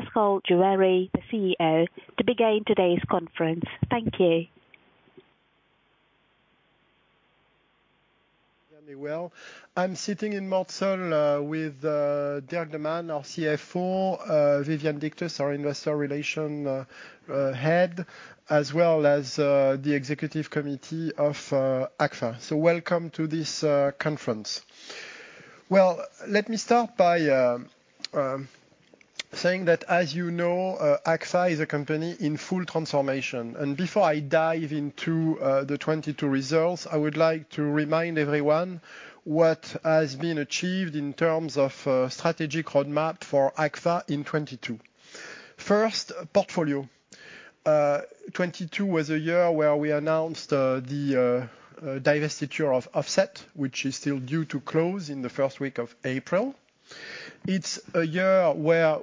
Pascal Juéry, the CEO, to begin today's conference. Thank you. Very well. I'm sitting in Mortsel, with Dirk De Man, our CFO, Viviane Dictus, our investor relation head, as well as the executive committee of Agfa. Welcome to this conference. Let me start by saying that, as you know, Agfa is a company in full transformation. Before I dive into the 2022 results, I would like to remind everyone what has been achieved in terms of strategic roadmap for Agfa in 2022. First, portfolio. 2022 was a year where we announced the divestiture of Offset, which is still due to close in the first week of April. It's a year where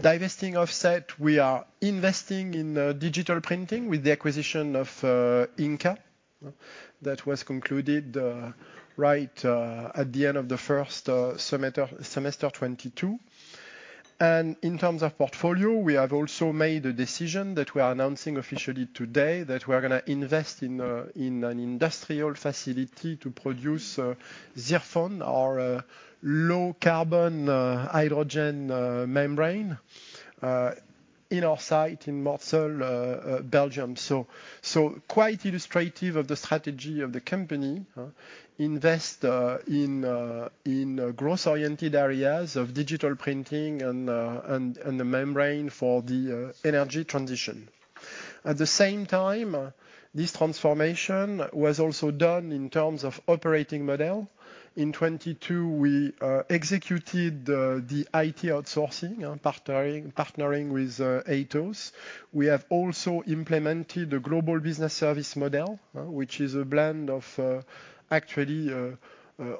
divesting Offset, we are investing in digital printing with the acquisition of Inca. That was concluded at the end of the first semester 2022. In terms of portfolio, we have also made a decision that we are announcing officially today that we are gonna invest in an industrial facility to produce ZIRFON, our low carbon hydrogen membrane, in our site in Mortsel, Belgium. Quite illustrative of the strategy of the company, invest in growth-oriented areas of digital printing and the membrane for the energy transition. At the same time, this transformation was also done in terms of operating model. In 2022, we executed the IT outsourcing, partnering with Atos. We have also implemented a global business service model, which is a blend of actually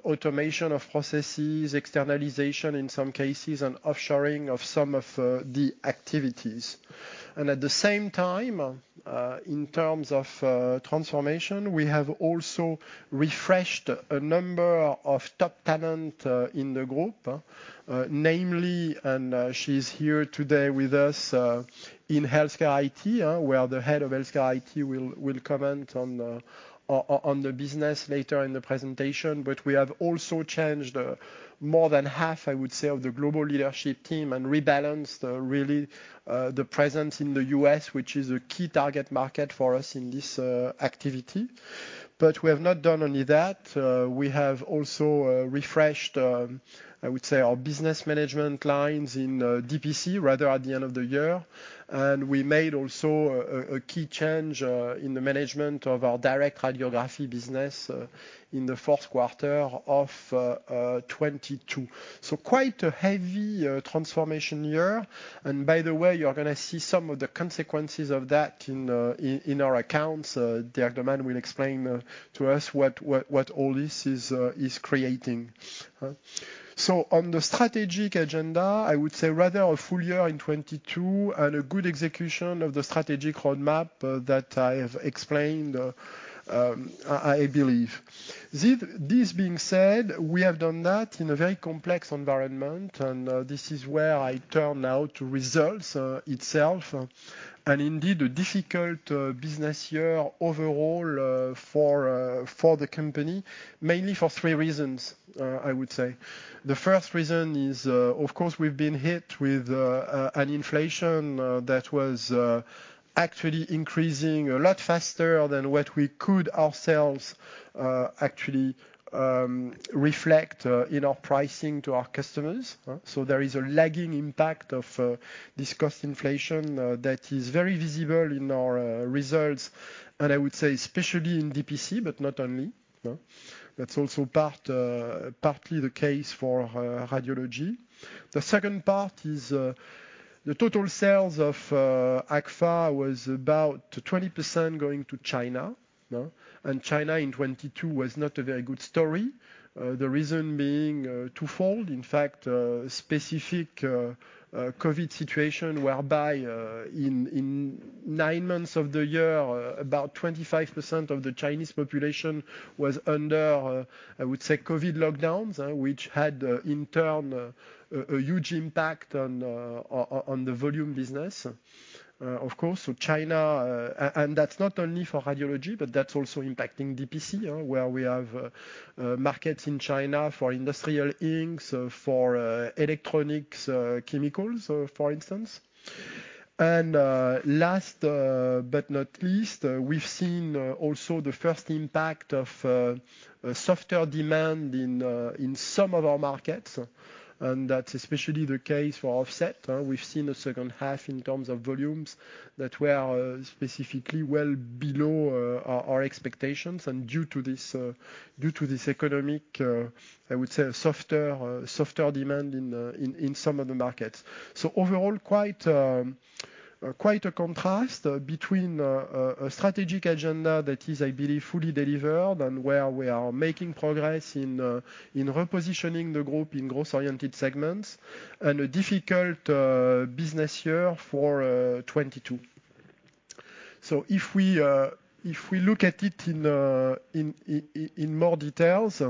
automation of processes, externalization in some cases, and offshoring of some of the activities. At the same time, in terms of transformation, we have also refreshed a number of top talent in the group. Namely, and she's here today with us, in HealthCare IT, where the head of HealthCare IT will comment on the business later in the presentation. We have also changed more than half, I would say, of the global leadership team and rebalanced really the presence in the U.S., which is a key target market for us in this activity. We have not done only that. We have also refreshed, I would say our business management lines in DPC, rather at the end of the year. We made also a key change in the management of our direct radiography business in the Q4 of 2022. Quite a heavy transformation year. By the way, you're gonna see some of the consequences of that in our accounts. Dirk De Man will explain to us what all this is creating. On the strategic agenda, I would say rather a full year in 2022 and a good execution of the strategic roadmap that I have explained, I believe. This being said, we have done that in a very complex environment, and this is where I turn now to results itself, and indeed a difficult business year overall for the company, mainly for three reasons, I would say. The first reason is, of course, we've been hit with an inflation that was actually increasing a lot faster than what we could ourselves, actually, reflect in our pricing to our customers. There is a lagging impact of this cost inflation that is very visible in our results, and I would say especially in DPC, but not only. That's also partly the case for radiology. The second part is, the total sales of Agfa was about 20% going to China. China in 2022 was not a very good story. The reason being, twofold. In fact, a specific COVID situation whereby in nine months of the year, about 25% of the Chinese population was under, I would say, COVID lockdowns, which had in turn a huge impact on the volume business. Of course, and that's not only for radiology, but that's also impacting DPC, where we have markets in China for industrial inks, for electronics chemicals, for instance. Last but not least, we've seen also the first impact of a softer demand in some of our markets, and that's especially the case for Offset. We've seen a second half in terms of volumes that were specifically well below our expectations and due to this economic, I would say, softer demand in some of the markets. Overall, quite a contrast between a strategic agenda that is, I believe, fully delivered and where we are making progress in repositioning the group in growth-oriented segments and a difficult business year for 2022. If we look at it in more details,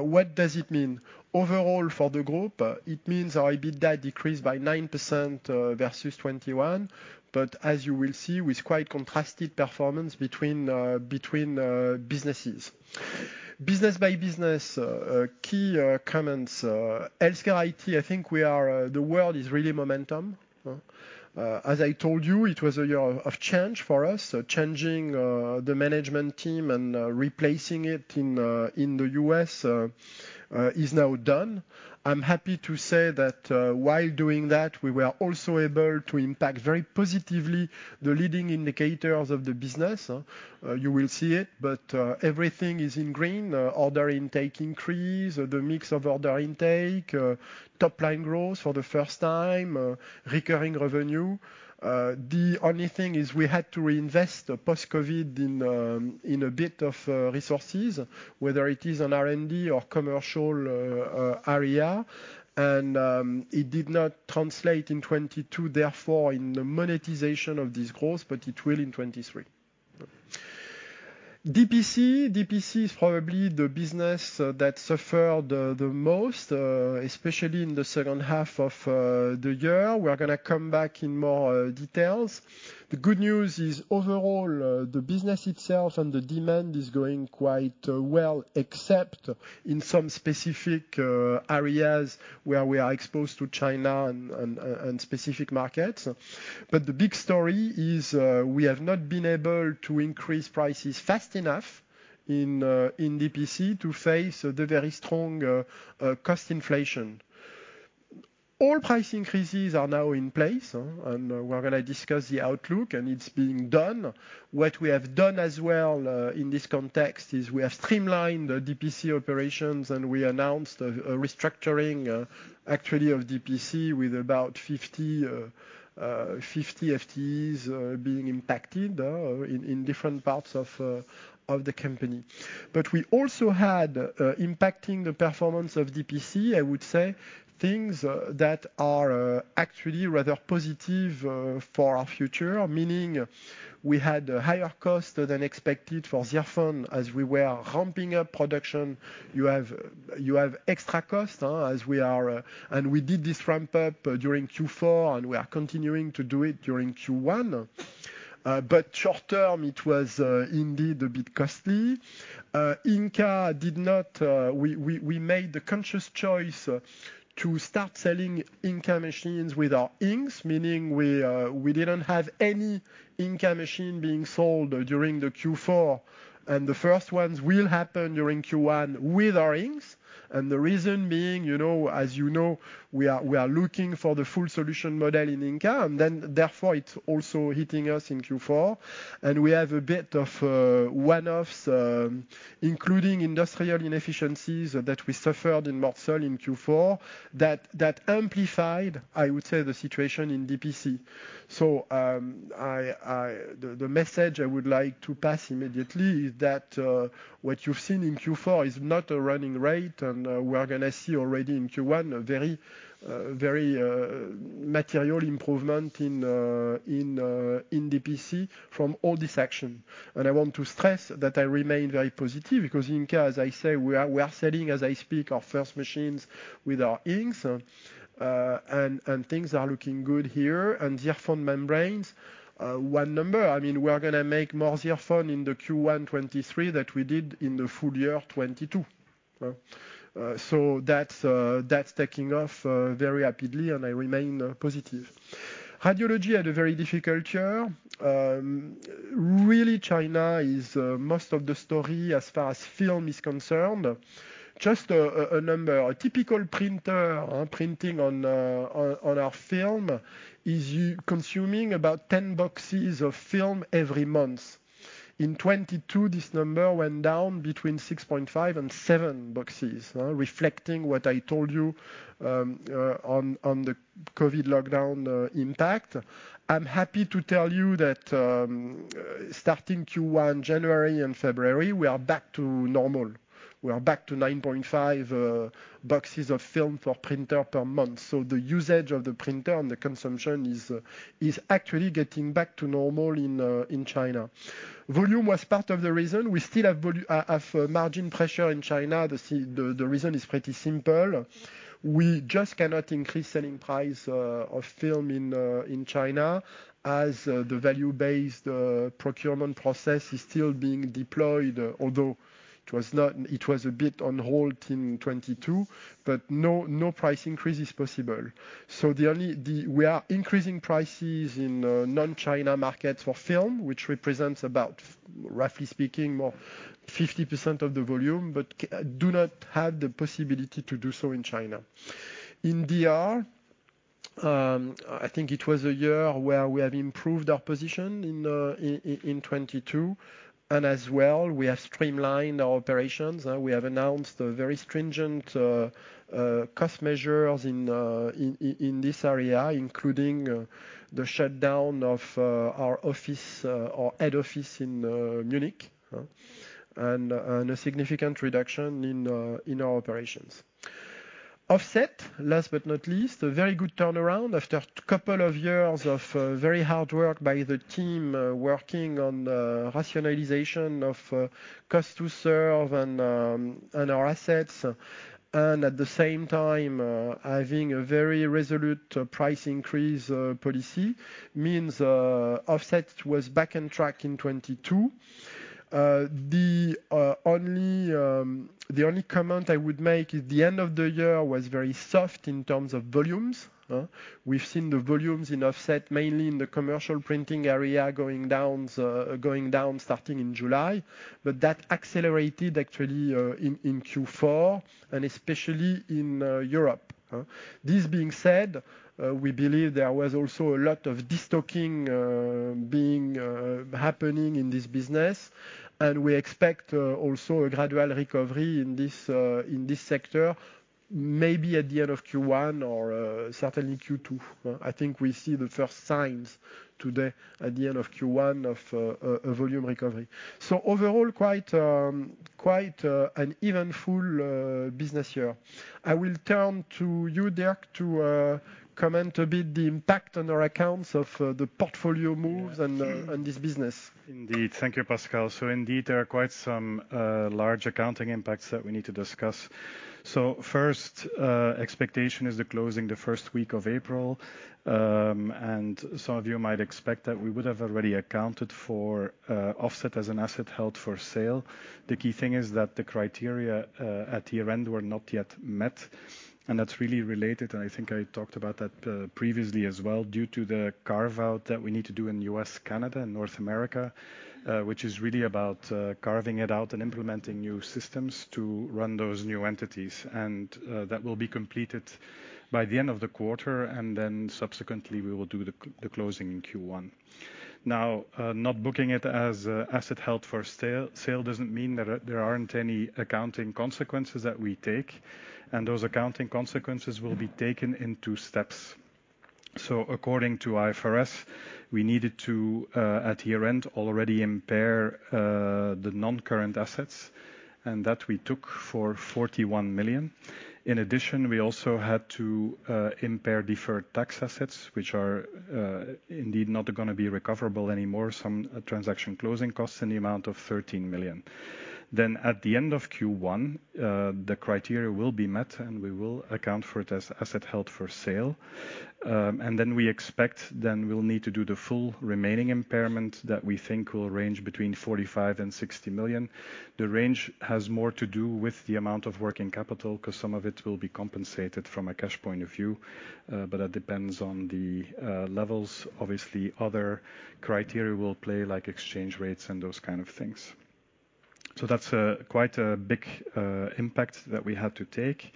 what does it mean? Overall for the group, it means our EBITDA decreased by 9%, versus 2021. As you will see, with quite contrasted performance between businesses. Business by business, key comments. HealthCare IT, I think the world is really momentum. As I told you, it was a year of change for us. Changing the management team and replacing it in the U.S. is now done. I'm happy to say that, while doing that, we were also able to impact very positively the leading indicators of the business. You will see it, everything is in green. Order intake increase, the mix of order intake, top line growth for the first time, recurring revenue. The only thing is we had to reinvest post-COVID in a bit of resources, whether it is on R&D or commercial area. It did not translate in 2022, therefore, in the monetization of this growth, but it will in 2023. DPC. DPC is probably the business that suffered the most, especially in the second half of the year. We are gonna come back in more details. The good news is, overall, the business itself and the demand is going quite well, except in some specific areas where we are exposed to China and specific markets. The big story is, we have not been able to increase prices fast enough in DPC to face the very strong cost inflation. All price increases are now in place, and we're gonna discuss the outlook, and it's being done. What we have done as well, in this context is we have streamlined the DPC operations, and we announced a restructuring actually of DPC with about 50 FTEs being impacted in different parts of the company. We also had impacting the performance of DPC, I would say things that are actually rather positive for our future. Meaning we had higher costs than expected for ZIRFON as we were ramping up production. You have extra costs. We did this ramp up during Q4, and we are continuing to do it during Q1. Short-term, it was indeed a bit costly. Inca did not. We made the conscious choice to start selling Inca machines with our inks, meaning we didn't have any Inca machine being sold during the Q4. The first ones will happen during Q1 with our inks. The reason being, you know, as you know, we are looking for the full solution model in Inca, therefore it's also hitting us in Q4. We have a bit of one-offs, including industrial inefficiencies that we suffered in Mortsel in Q4 that amplified, I would say, the situation in DPC. The message I would like to pass immediately is that what you've seen in Q4 is not a running rate, we are going to see already in Q1 a very, very material improvement in DPC from all this action. I want to stress that I remain very positive because Inca, as I say, we are selling, as I speak, our first machines with our inks. And things are looking good here. ZIRFON membranes, one number, I mean, we are going to make more ZIRFON in the Q1 2023 that we did in the full year 2022. That is taking off very rapidly, and I remain positive. Radiology had a very difficult year. Really China is most of the story as far as film is concerned. Just a number. A typical printer printing on our film is consuming about 10 boxes of film every month. In 2022, this number went down between 6.5 and 7 boxes. Reflecting what I told you on the COVID lockdown impact. I am happy to tell you that, starting Q1, January and February, we are back to normal. We are back to 9.5 boxes of film for printer per month. The usage of the printer and the consumption is actually getting back to normal in China. Volume was part of the reason. We still have margin pressure in China. The reason is pretty simple. We just cannot increase selling price of film in China as the value-based procurement process is still being deployed, although it was a bit on halt in 2022, but no price increase is possible. We are increasing prices in non-China markets for film, which represents about, roughly speaking, 50% of the volume, but do not have the possibility to do so in China. In DR, I think it was a year where we have improved our position in 2022, and as well, we have streamlined our operations. We have announced very stringent cost measures in this area, including the shutdown of our office, our head office in Munich, and a significant reduction in our operations. Offset, last but not least, a very good turnaround after a couple of years of very hard work by the team, working on the rationalization of cost to serve and our assets. At the same time, having a very resolute price increase policy means Offset was back on track in 2022. The only comment I would make is the end of the year was very soft in terms of volumes, huh. We've seen the volumes in Offset, mainly in the commercial printing area, going down starting in July. That accelerated actually in Q4 and especially in Europe, huh. This being said, we believe there was also a lot of destocking being happening in this business, and we expect also a gradual recovery in this sector, maybe at the end of Q1 or certainly Q2. I think we see the first signs today at the end of Q1 of a volume recovery. Overall quite an eventful business year. I will turn to you, Dirk, to comment a bit the impact on our accounts of the portfolio moves and this business. Indeed. Thank you, Pascal. Indeed, there are quite some large accounting impacts that we need to discuss. First, expectation is the closing the first week of April, and some of you might expect that we would have already accounted for Offset as an asset held for sale. The key thing is that the criteria at year-end were not yet met, and that's really related, and I think I talked about that previously as well, due to the carve-out that we need to do in U.S., Canada, and North America. Which is really about carving it out and implementing new systems to run those new entities. That will be completed by the end of the quarter, and then subsequently we will do the closing in Q1. Not booking it as asset held for sale, doesn't mean there aren't any accounting consequences that we take, and those accounting consequences will be taken in two steps. According to IFRS, we needed to at year-end, already impair the non-current assets, and that we took for 41 million. In addition, we also had to impair deferred tax assets, which are indeed not gonna be recoverable anymore, some transaction closing costs in the amount of 13 million. At the end of Q1, the criteria will be met, and we will account for it as asset held for sale. We expect we'll need to do the full remaining impairment that we think will range between 45 million and 60 million. The range has more to do with the amount of working capital 'cause some of it will be compensated from a cash point of view, but that depends on the levels. Obviously, other criteria will play like exchange rates and those kind of things. That's a, quite a big impact that we had to take.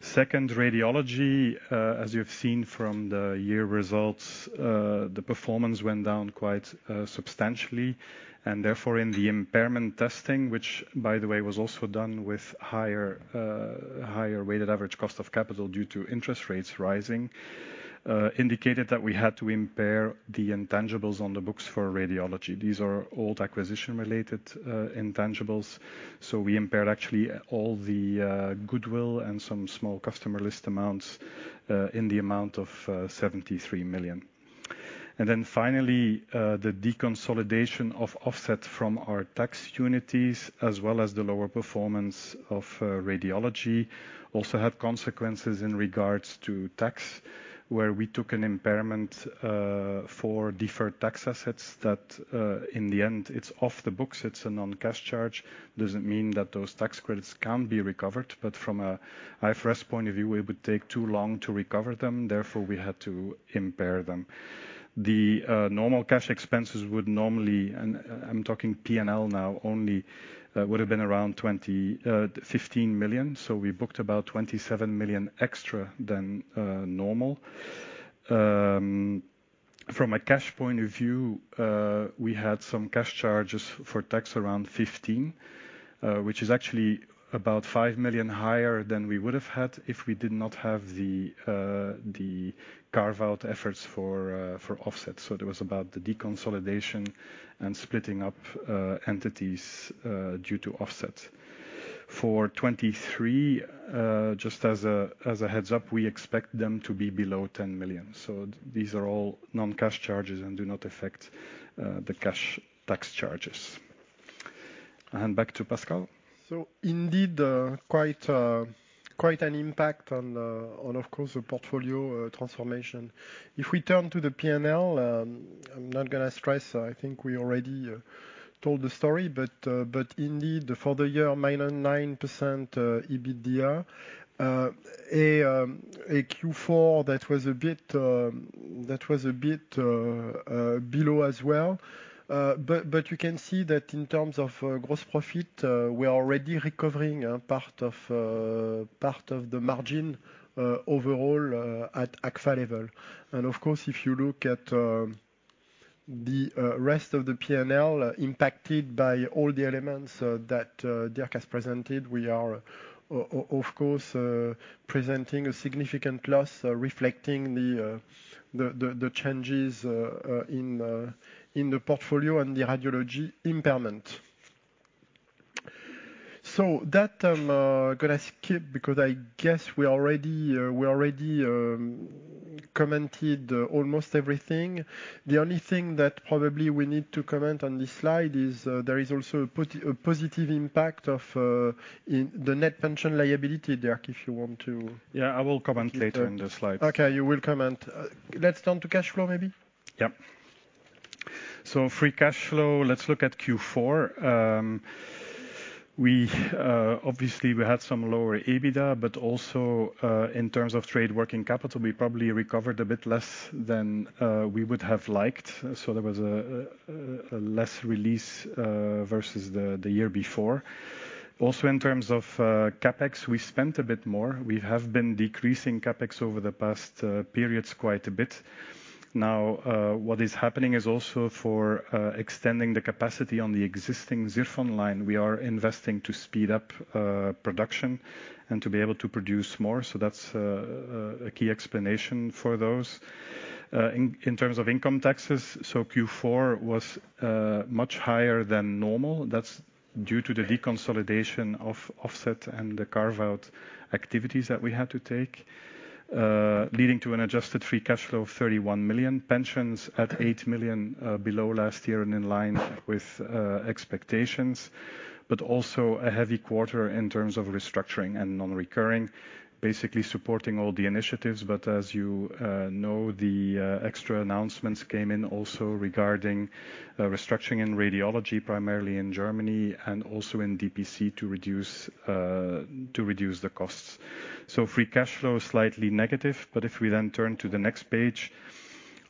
Second, radiology, as you've seen from the year results, the performance went down quite substantially. Therefore, in the impairment testing, which by the way, was also done with higher weighted average cost of capital due to interest rates rising, indicated that we had to impair the intangibles on the books for radiology. These are old acquisition-related intangibles. We impaired actually all the goodwill and some small customer list amounts, in the amount of 73 million. Finally, the deconsolidation of Offset from our tax unities, as well as the lower performance of radiology, also have consequences in regards to tax, where we took an impairment for deferred tax assets that, in the end, it's off the books, it's a non-cash charge. Doesn't mean that those tax credits can't be recovered, but from a IFRS point of view, it would take too long to recover them, therefore, we had to impair them. The normal cash expenses would normally, and I'm talking P&L now, only, would have been around 15 million. So we booked about 27 million extra than normal. From a cash point of view, we had some cash charges for tax around 15, which is actually about 5 million higher than we would have had if we did not have the carve-out efforts for Offset. There was about the deconsolidation and splitting up entities due to Offset. For 2023, just as a heads-up, we expect them to be below 10 million. These are all non-cash charges and do not affect the cash tax charges. Back to Pascal. Indeed, quite an impact on of course, the portfolio transformation. If we turn to the P&L, I'm not gonna stress, I think we already told the story, but indeed for the year, minus 9% EBITDA. A Q4 that was a bit below as well. But you can see that in terms of gross profit, we are already recovering part of the margin overall at Agfa level. Of course, if you look at the rest of the P&L impacted by all the elements that Dirk has presented, we are of course presenting a significant loss reflecting the changes in the portfolio and the radiology impairment. That I'm gonna skip because I guess we already commented almost everything. The only thing that probably we need to comment on this slide is there is also a positive impact of in the net pension liability. Dirk, if you want to. Yeah, I will comment later in the slide. Okay. You will comment. Let's turn to cash flow, maybe. Yep. Free cash flow, let's look at Q4. We obviously we had some lower EBITDA, but also in terms of trade working capital, we probably recovered a bit less than we would have liked. There was a less release versus the year before. In terms of CapEx, we spent a bit more. We have been decreasing CapEx over the past periods quite a bit. What is happening is also for extending the capacity on the existing ZIRFON line. We are investing to speed up production and to be able to produce more. That's a key explanation for those. In terms of income taxes, Q4 was much higher than normal. That's due to the deconsolidation of Offset and the carve-out activities that we had to take, leading to an adjusted free cash flow of 31 million. Pensions at 8 million below last year and in line with expectations, but also a heavy quarter in terms of restructuring and non-recurring, basically supporting all the initiatives. As you know, the extra announcements came in also regarding restructuring in radiology, primarily in Germany and also in DPC to reduce the costs. Free cash flow is slightly negative, if we then turn to the next page,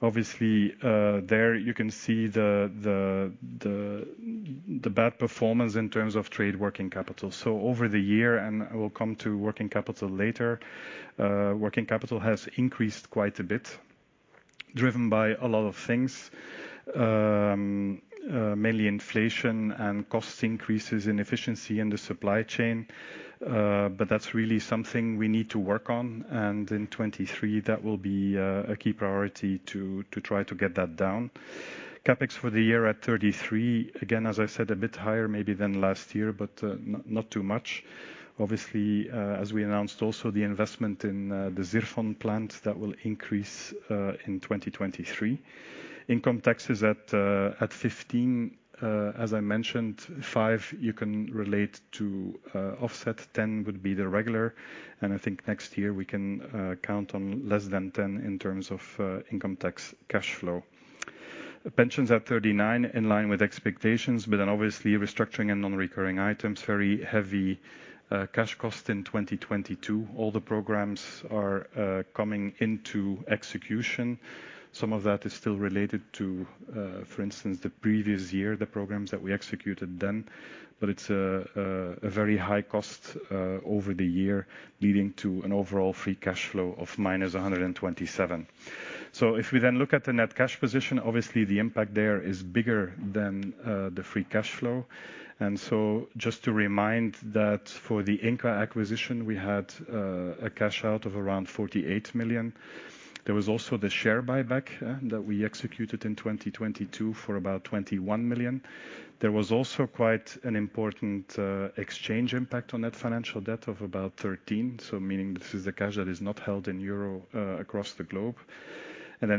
obviously, there you can see the bad performance in terms of trade working capital. Over the year, and I will come to working capital later, working capital has increased quite a bit, driven by a lot of things, mainly inflation and cost increases in efficiency in the supply chain. That's really something we need to work on. In 2023, that will be a key priority to try to get that down. CapEx for the year at 33 million. Again, as I said, a bit higher maybe than last year, but not too much. Obviously, as we announced also the investment in the ZIRFON plant, that will increase in 2023. Income tax is at 15 million. As I mentioned, 5 million you can relate to Offset, 10 million would be the regular. I think next year we can count on less than 10 million in terms of income tax cash flow. Pensions at 39 million, in line with expectations, obviously restructuring and non-recurring items, very heavy cash cost in 2022. All the programs are coming into execution. Some of that is still related to, for instance, the previous year, the programs that we executed then. It's a very high cost over the year, leading to an overall free cash flow of minus 127 million. If we look at the net cash position, obviously the impact there is bigger than the free cash flow. Just to remind that for the Inca acquisition, we had a cash out of around 48 million. There was also the share buyback that we executed in 2022 for about 21 million. There was also quite an important exchange impact on that financial debt of about 13 million. Meaning this is the cash that is not held in EUR across the globe.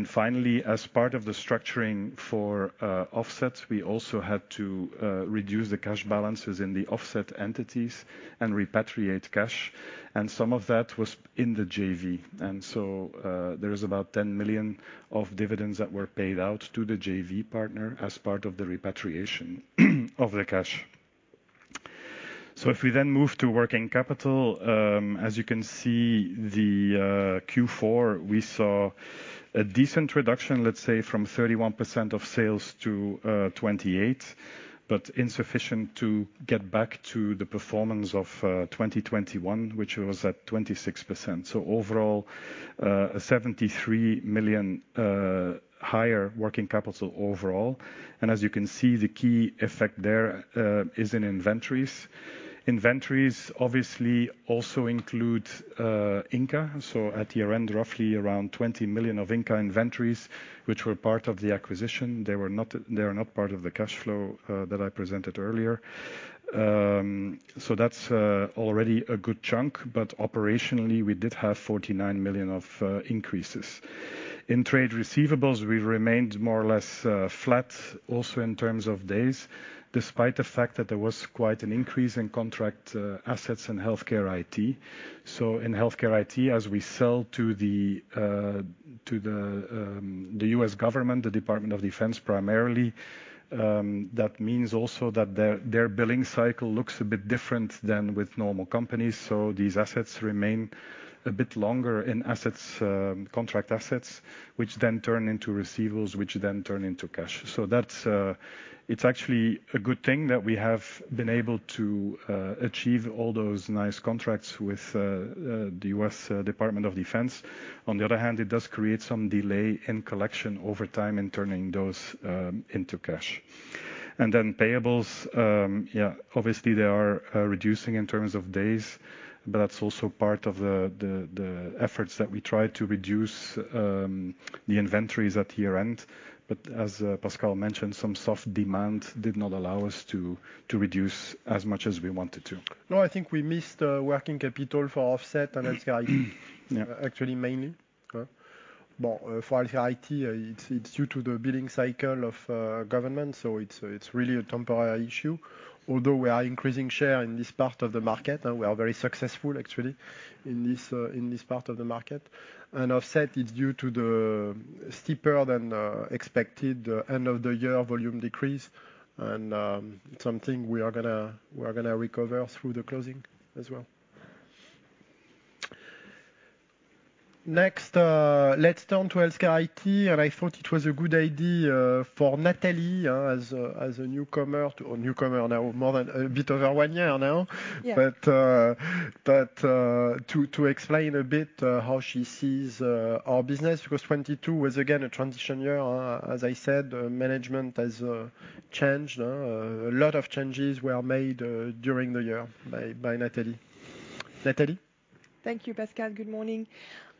Finally, as part of the structuring for Offset, we also had to reduce the cash balances in the Offset entities and repatriate cash. Some of that was in the JV. There is about 10 million of dividends that were paid out to the JV partner as part of the repatriation of the cash. If we then move to working capital, as you can see, the Q4, we saw a decent reduction, let's say, from 31% of sales to 28%, but insufficient to get back to the performance of 2021, which was at 26%. overall, 73 million higher working capital overall. As you can see, the key effect there is in inventories. Inventories obviously also include Inca. At year-end, roughly around 20 million of Inca inventories, which were part of the acquisition. They are not part of the cash flow that I presented earlier. That's already a good chunk. Operationally, we did have 49 million of increases. In trade receivables, we remained more or less flat also in terms of days, despite the fact that there was quite an increase in contract assets in HealthCare IT. In HealthCare IT, as we sell to the to the U.S. government, the Department of Defense primarily, that means also that their billing cycle looks a bit different than with normal companies. These assets remain a bit longer in assets, contract assets, which then turn into receivables, which then turn into cash. That's actually a good thing that we have been able to achieve all those nice contracts with the U.S. Department of Defense. On the other hand, it does create some delay in collection over time in turning those into cash. Payables, yeah, obviously they are reducing in terms of days, but that's also part of the efforts that we try to reduce the inventories at year-end. As Pascal mentioned, some soft demand did not allow us to reduce as much as we wanted to. No, I think we missed, working capital for Offset and HealthCare IT. Yeah Actually, mainly. For HealthCare IT, it's due to the billing cycle of government, so it's really a temporary issue. Although we are increasing share in this part of the market, and we are very successful actually in this part of the market. Offset is due to the steeper than expected end of the year volume decrease and something we are gonna recover through the closing as well. Next, let's turn to HealthCare IT. I thought it was a good idea for Nathalie. Newcomer now more than a bit over one year now. Yeah. To explain a bit how she sees our business, because 2022 was again a transition year. As I said, management has changed. A lot of changes were made during the year by Nathalie. Thank you, Pascal. Good morning.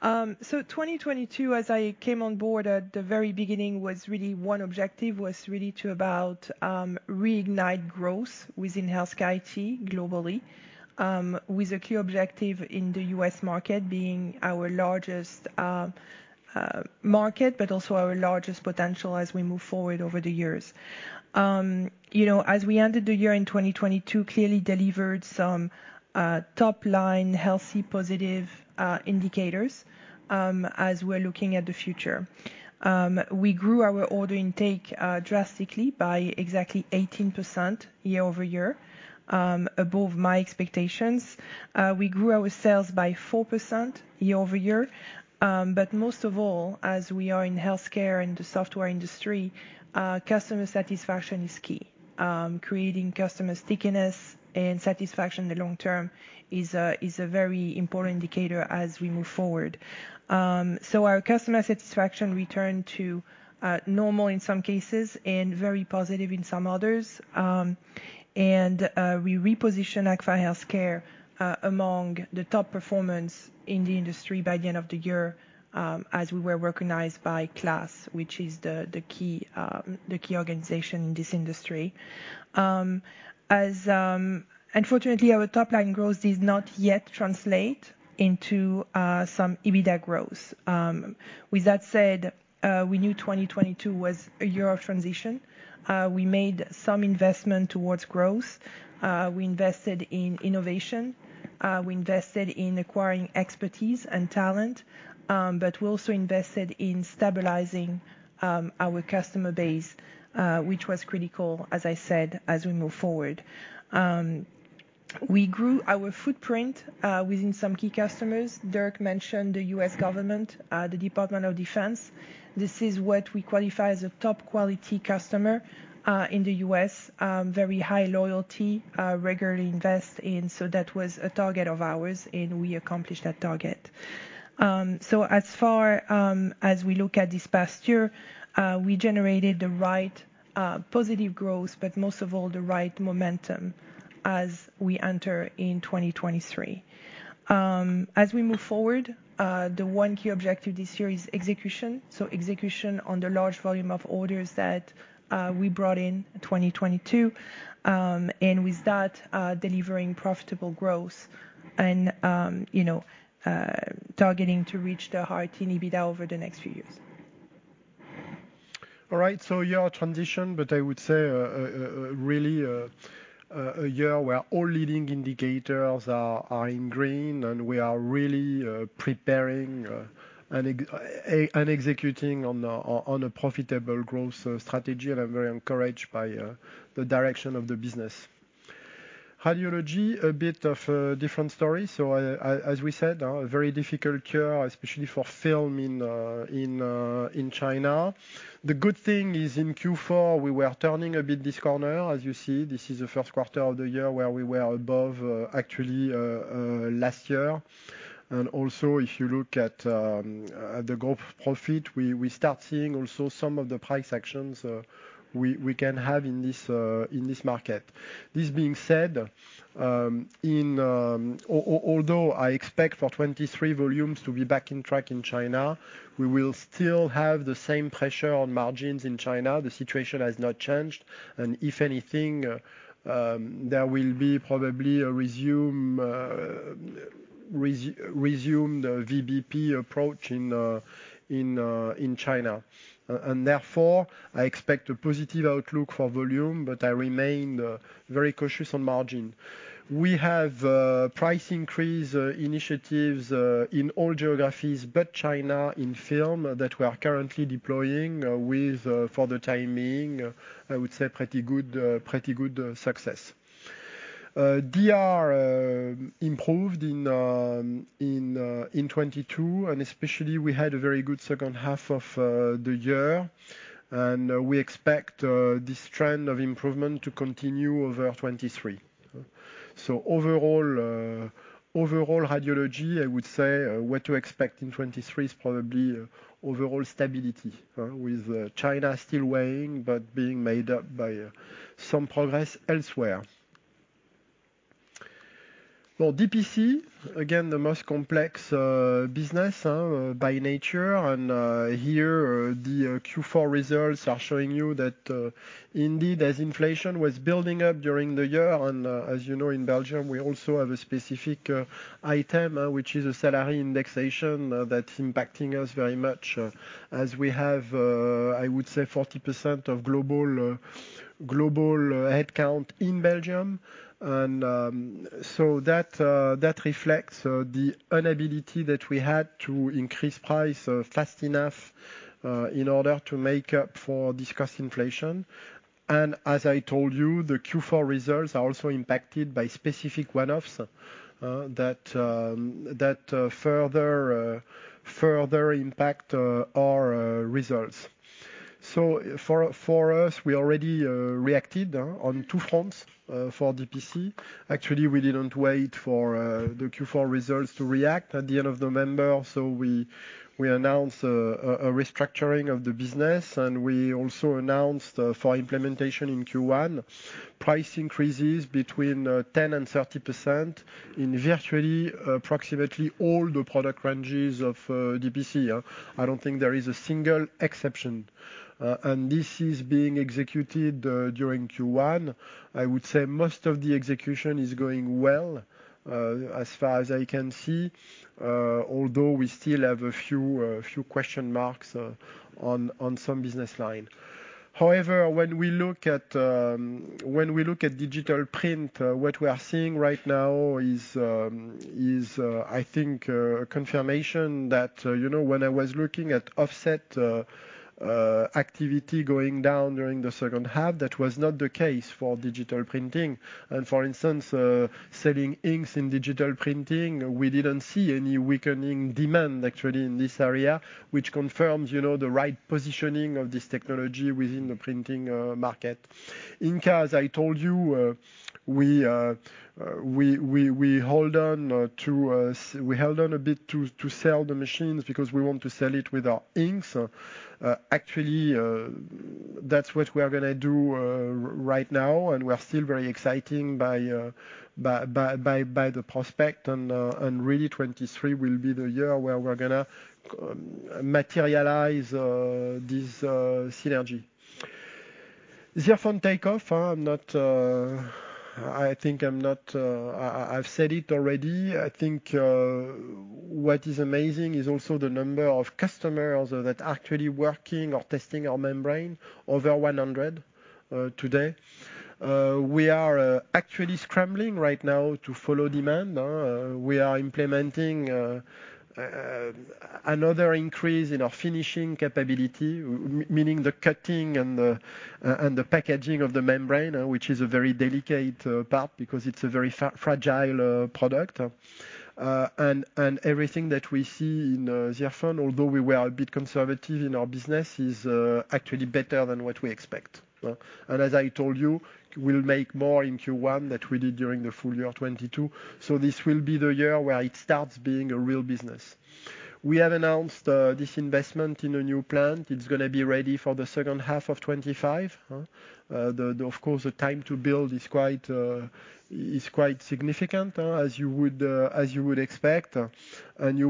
2022, as I came on board at the very beginning, was really one objective, was really about reignite growth within HealthCare IT globally, with a key objective in the U.S. market being our largest market, but also our largest potential as we move forward over the years. You know, as we ended the year in 2022, clearly delivered some top line, healthy, positive indicators as we're looking at the future. We grew our order intake drastically by exactly 18% year-over-year above my expectations. We grew our sales by 4% year-over-year. Most of all, as we are in healthcare and the software industry, customer satisfaction is key. Creating customer stickiness and satisfaction in the long term is a very important indicator as we move forward. Our customer satisfaction returned to normal in some cases and very positive in some others. We repositioned Agfa HealthCare among the top performance in the industry by the end of the year, as we were recognized by KLAS, which is the key organization in this industry. Unfortunately, our top line growth did not yet translate into some EBITDA growth. With that said, we knew 2022 was a year of transition. We made some investment towards growth. We invested in innovation. We invested in acquiring expertise and talent, we also invested in stabilizing our customer base, which was critical, as I said, as we move forward. We grew our footprint within some key customers. Dirk mentioned the U.S. government, the Department of Defense. This is what we qualify as a top quality customer in the U.S. Very high loyalty, regularly invest in. That was a target of ours, and we accomplished that target. As far as we look at this past year, we generated the right positive growth, but most of all the right momentum as we enter in 2023. As we move forward, the one key objective this year is execution. Execution on the large volume of orders that we brought in 2022, and with that, delivering profitable growth and, you know, targeting to reach the high-teen EBITDA over the next few years. Of transition, but I would say a really a year where all leading indicators are in green and we are really preparing and executing on a profitable growth strategy. And I'm very encouraged by the direction of the business. Radiology, a bit of a different story. As we said, a very difficult year, especially for film in China. The good thing is in Q4, we were turning a bit this corner. As you see, this is the Q1 of the year where we were above actually last year. And also, if you look at the gross profit, we start seeing also some of the price actions we can have in this market This being said, although I expect for 2023 volumes to be back in track in China, we will still have the same pressure on margins in China. The situation has not changed. If anything, there will be probably a resume the VBP approach in China. Therefore, I expect a positive outlook for volume, but I remain very cautious on margin. We have price increase initiatives in all geographies but China in film that we are currently deploying with for the timing, I would say pretty good success. DR improved in 2022, and especially we had a very good second half of the year, and we expect this trend of improvement to continue over 2023. Overall, overall radiology, I would say, what to expect in 2023 is probably overall stability, with China still weighing but being made up by some progress elsewhere. DPC, again the most complex business by nature, and here the Q4 results are showing you that indeed, as inflation was building up during the year and as you know, in Belgium, we also have a specific item, which is a salary indexation, that's impacting us very much, as we have, I would say 40% of global headcount in Belgium. That reflects the inability that we had to increase price fast enough in order to make up for discussed inflation. As I told you, the Q4 results are also impacted by specific one-offs that further impact our results. For us, we already reacted on two fronts for DPC. Actually, we didn't wait for the Q4 results to react at the end of November, so we announced a restructuring of the business, and we also announced for implementation in Q1 price increases between 10% and 30% in virtually approximately all the product ranges of DPC. I don't think there is a single exception. This is being executed during Q1. I would say most of the execution is going well, as far as I can see, although we still have a few question marks on some business line. However, when we look at digital print, what we are seeing right now is, I think a confirmation that, you know, when I was looking at offset activity going down during the second half, that was not the case for digital printing and, for instance, selling inks in digital printing, we didn't see any weakening demand actually in this area, which confirms, you know, the right positioning of this technology within the printing market. Inca, as I told you, we hold on to We held on a bit to sell the machines because we want to sell it with our inks. Actually, that's what we are gonna do right now, and we are still very exciting by the prospect and really 2023 will be the year where we're gonna materialize this synergy. The other fun take off, I'm not, I think I'm not, I've said it already. I think, what is amazing is also the number of customers that actually working or testing our membrane over 100 today. We are actually scrambling right now to follow demand. We are implementing another increase in our finishing capability, meaning the cutting and the packaging of the membrane, which is a very delicate part because it's a very fragile product. Everything that we see in ZIRFON, although we were a bit conservative in our business, is actually better than what we expect. As I told you, we'll make more in Q1 than we did during the full year of 2022. This will be the year where it starts being a real business. We have announced this investment in a new plant. It's gonna be ready for the second half of 2025. Of course, the time to build is quite significant, as you would expect. We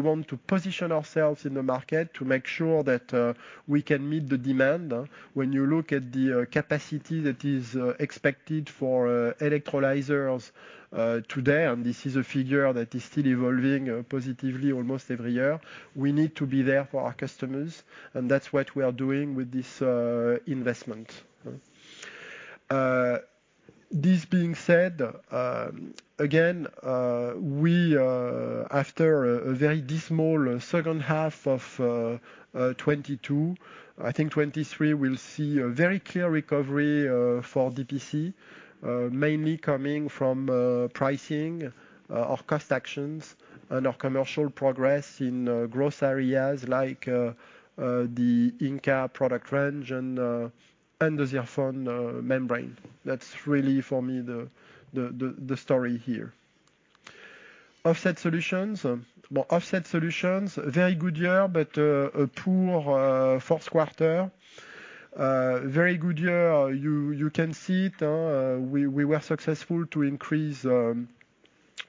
want to position ourselves in the market to make sure that we can meet the demand. When you look at the capacity that is expected for electrolyzers today, and this is a figure that is still evolving positively almost every year. We need to be there for our customers, and that's what we are doing with this investment. This being said, again, we after a very dismal second half of 2022, I think 2023, we'll see a very clear recovery for DPC, mainly coming from pricing, our cost actions and our commercial progress in growth areas like the Inca product range and the ZIRFON membrane. That's really for me, the story here. Offset Solutions. Well, Offset Solutions, very good year, but a poor, Q4. Very good year. You can see it, we were successful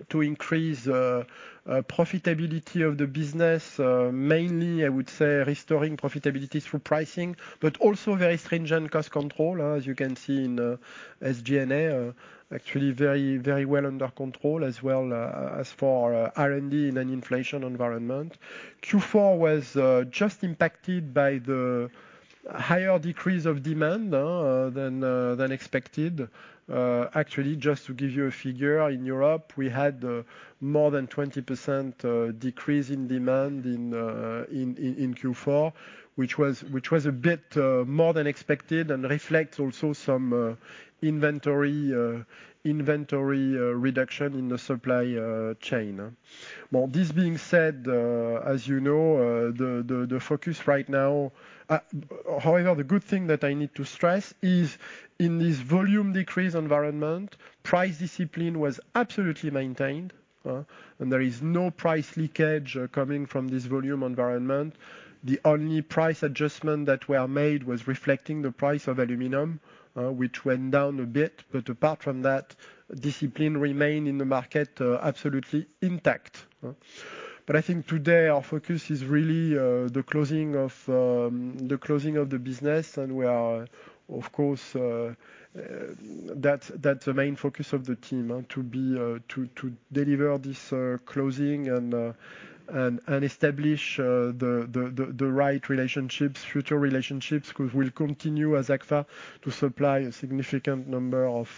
to increase profitability of the business, mainly I would say restoring profitability through pricing, but also very stringent cost control, as you can see in SG&A. Actually, very, very well under control as well, as for R&D in an inflation environment. Q4 was just impacted by the higher decrease of demand than expected. Actually, just to give you a figure, in Europe, we had more than 20% decrease in demand in Q4, which was a bit more than expected and reflects also some inventory reduction in the supply chain. Well, this being said, as you know, the focus right now. However, the good thing that I need to stress is in this volume decrease environment, price discipline was absolutely maintained, huh, there is no price leakage coming from this volume environment. The only price adjustment that were made was reflecting the price of aluminum, which went down a bit. Apart from that, discipline remained in the market, absolutely intact. I think today our focus is really the closing of the closing of the business, and we are of course, that's the main focus of the team to deliver this closing and establish the right relationships, future relationships, 'cause we'll continue as Agfa to supply a significant number of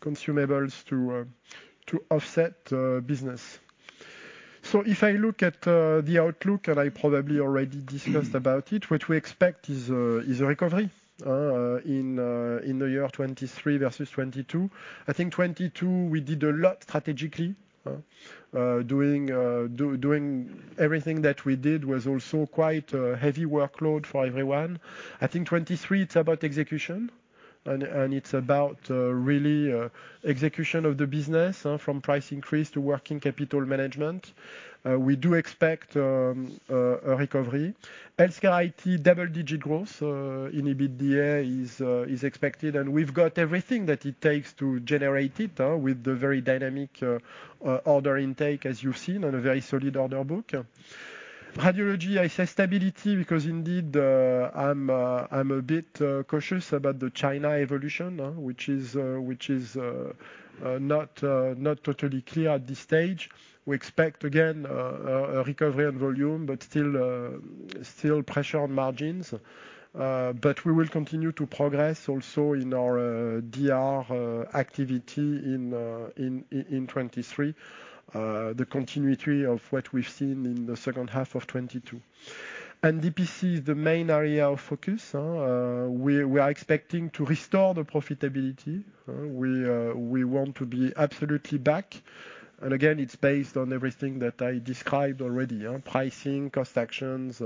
consumables to Offset business. If I look at the outlook, and I probably already discussed about it, what we expect is a recovery in the year 2023 versus 2022. I think 2022, we did a lot strategically, huh? Doing everything that we did was also quite a heavy workload for everyone. I think 2023, it's about execution, and it's about really execution of the business, from price increase to working capital management. We do expect a recovery. HealthCare IT double-digit growth in EBITDA is expected, and we've got everything that it takes to generate it with the very dynamic order intake as you've seen on a very solid order book. Radiology, I say stability because indeed, I'm a bit cautious about the China evolution, which is not totally clear at this stage. We expect again a recovery on volume, but still pressure on margins. We will continue to progress also in our DR activity in 2023. The continuity of what we've seen in the second half of 2022. DPC is the main area of focus. We are expecting to restore the profitability. We want to be absolutely back. Again, it's based on everything that I described already, on pricing, cost actions,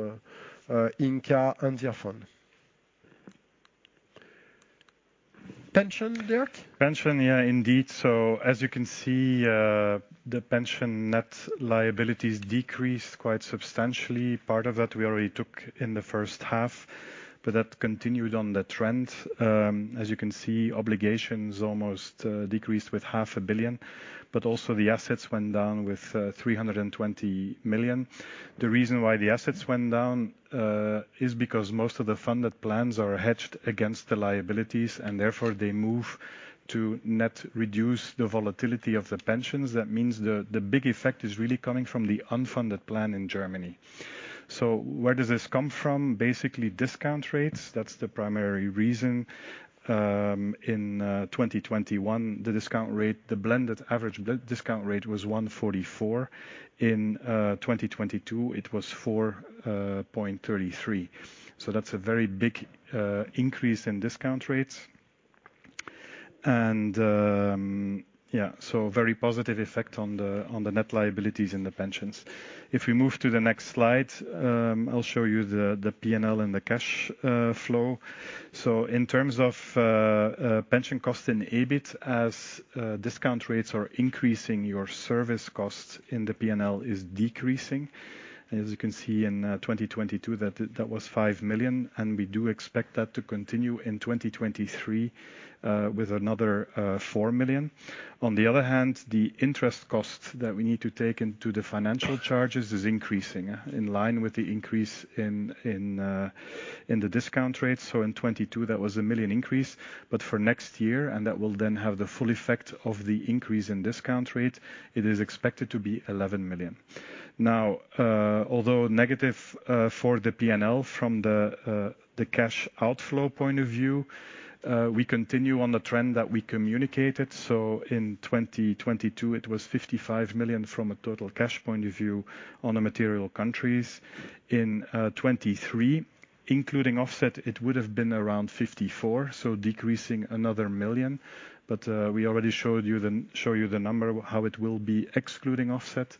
Inca and ZIRFON. Pension, Dirk? Pension, yeah, indeed. As you can see, the pension net liabilities decreased quite substantially. Part of that we already took in the first half, that continued on the trend. As you can see, obligations almost decreased with half a billion, also the assets went down with 320 million. The reason why the assets went down is because most of the funded plans are hedged against the liabilities, therefore they move to net reduce the volatility of the pensions. That means the big effect is really coming from the unfunded plan in Germany. Where does this come from? Basically, discount rates, that's the primary reason. In 2021, the discount rate, the blended average discount rate was 1.44%. In 2022, it was 4.33%. That's a very big increase in discount rates. Very positive effect on the net liabilities in the pensions. If we move to the next slide, I'll show you the P&L and the cash flow. In terms of pension costs in EBIT, as discount rates are increasing, your service cost in the P&L is decreasing. As you can see in 2022 that was 5 million, and we do expect that to continue in 2023 with another 4 million. On the other hand, the interest cost that we need to take into the financial charges is increasing in line with the increase in the discount rate. In 2022, that was a 1 million increase, but for next year, and that will then have the full effect of the increase in discount rate, it is expected to be 11 million. Now, although negative for the P&L from the cash outflow point of view, we continue on the trend that we communicated. In 2022, it was 55 million from a total cash point of view on the material countries. In 2023, including offset, it would have been around 54 million, so decreasing another 1 million. We already showed you the number, how it will be excluding offset.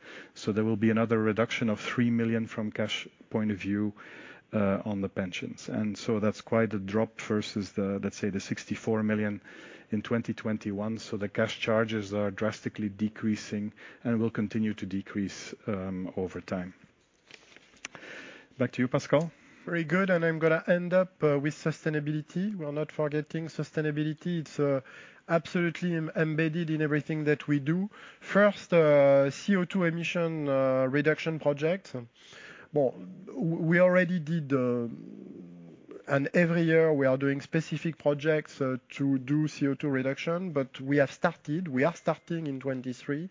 There will be another reduction of 3 million from cash point of view on the pensions. That's quite a drop versus the, let's say, the 64 million in 2021. The cash charges are drastically decreasing and will continue to decrease, over time. Back to you, Pascal. Very good, I'm gonna end up with sustainability. We're not forgetting sustainability. It's absolutely embedded in everything that we do. First, CO2 emission reduction project. Well, we already did, and every year we are doing specific projects to do CO2 reduction. We have started, we are starting in 2023,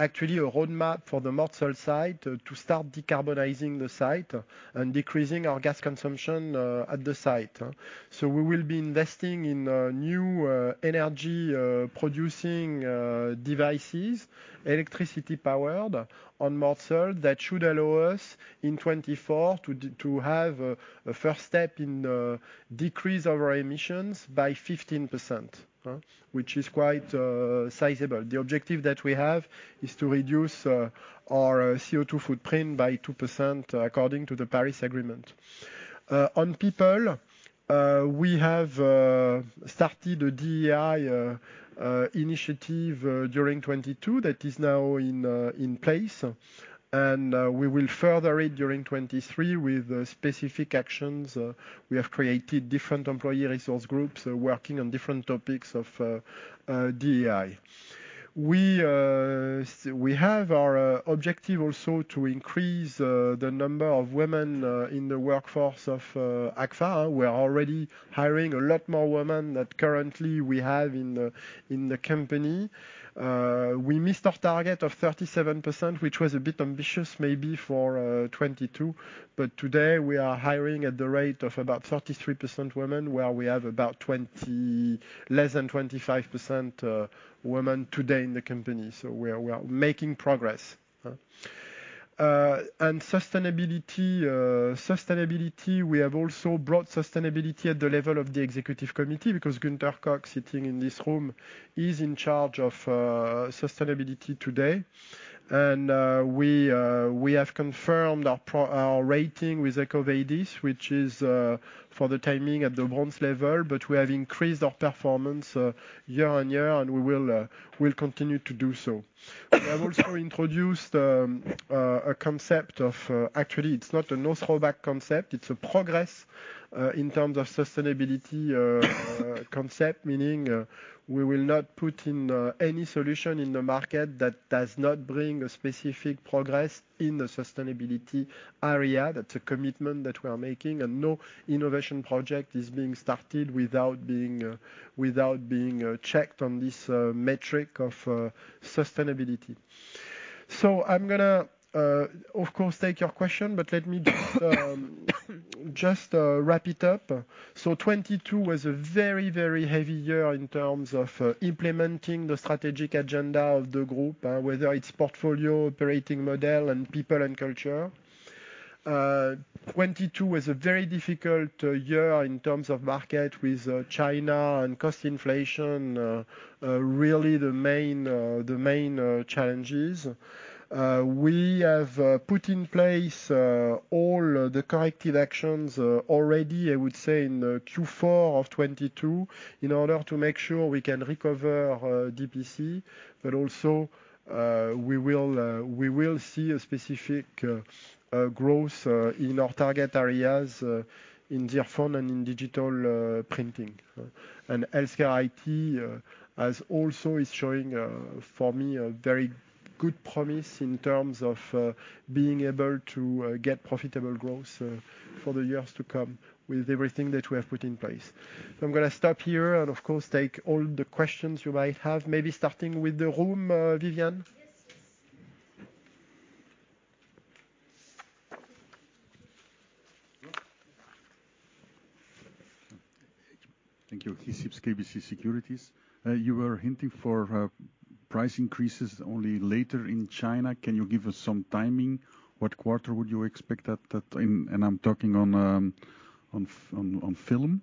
actually a roadmap for the Mortsel site to start decarbonizing the site and decreasing our gas consumption at the site. We will be investing in new energy producing devices, electricity powered on Mortsel. That should allow us in 2024 to have a first step in decrease our emissions by 15%, huh? Which is quite sizable. The objective that we have is to reduce our CO2 footprint by 2% according to the Paris Agreement. On people, we have started a DEI initiative during 2022 that is now in place. We will further it during 2023 with specific actions. We have created different employee resource groups working on different topics of DEI. We have our objective also to increase the number of women in the workforce of Agfa. We are already hiring a lot more women than currently we have in the company. We missed our target of 37%, which was a bit ambitious maybe for 2022, but today we are hiring at the rate of about 33% women, where we have about less than 25% women today in the company. We are making progress, huh. Sustainability, we have also brought sustainability at the level of the executive committee because Gunther Koch, sitting in this room, is in charge of sustainability today. We have confirmed our rating with EcoVadis, which is for the time being, at the bronze level, but we have increased our performance year on year, and we will continue to do so. We have also introduced a concept of actually it's not a no-hold-back concept, it's a progress in terms of sustainability concept. Meaning, we will not put in any solution in the market that does not bring a specific progress in the sustainability area. That's a commitment that we are making. No innovation project is being started without being checked on this metric of sustainability. I'm gonna of course take your question, but let me just wrap it up. 2022 was a very, very heavy year in terms of implementing the strategic agenda of the group, whether it's portfolio, operating model, and people and culture. 2022 was a very difficult year in terms of market with China and cost inflation, really the main challenges. We have put in place all the corrective actions already, I would say in Q4 of 2022, in order to make sure we can recover DPC, but also we will see a specific growth in our target areas in ZIRFON and in digital printing. HealthCare IT as also is showing for me a very good promise in terms of being able to get profitable growth for the years to come with everything that we have put in place. I'm gonna stop here and of course take all the questions you might have, maybe starting with the room, Vivian. Yes, yes. Thank you. Yes. Thank you. Guy Sips, KBC Securities. You were hinting for price increases only later in China. Can you give us some timing? What quarter would you expect that? I'm talking on film.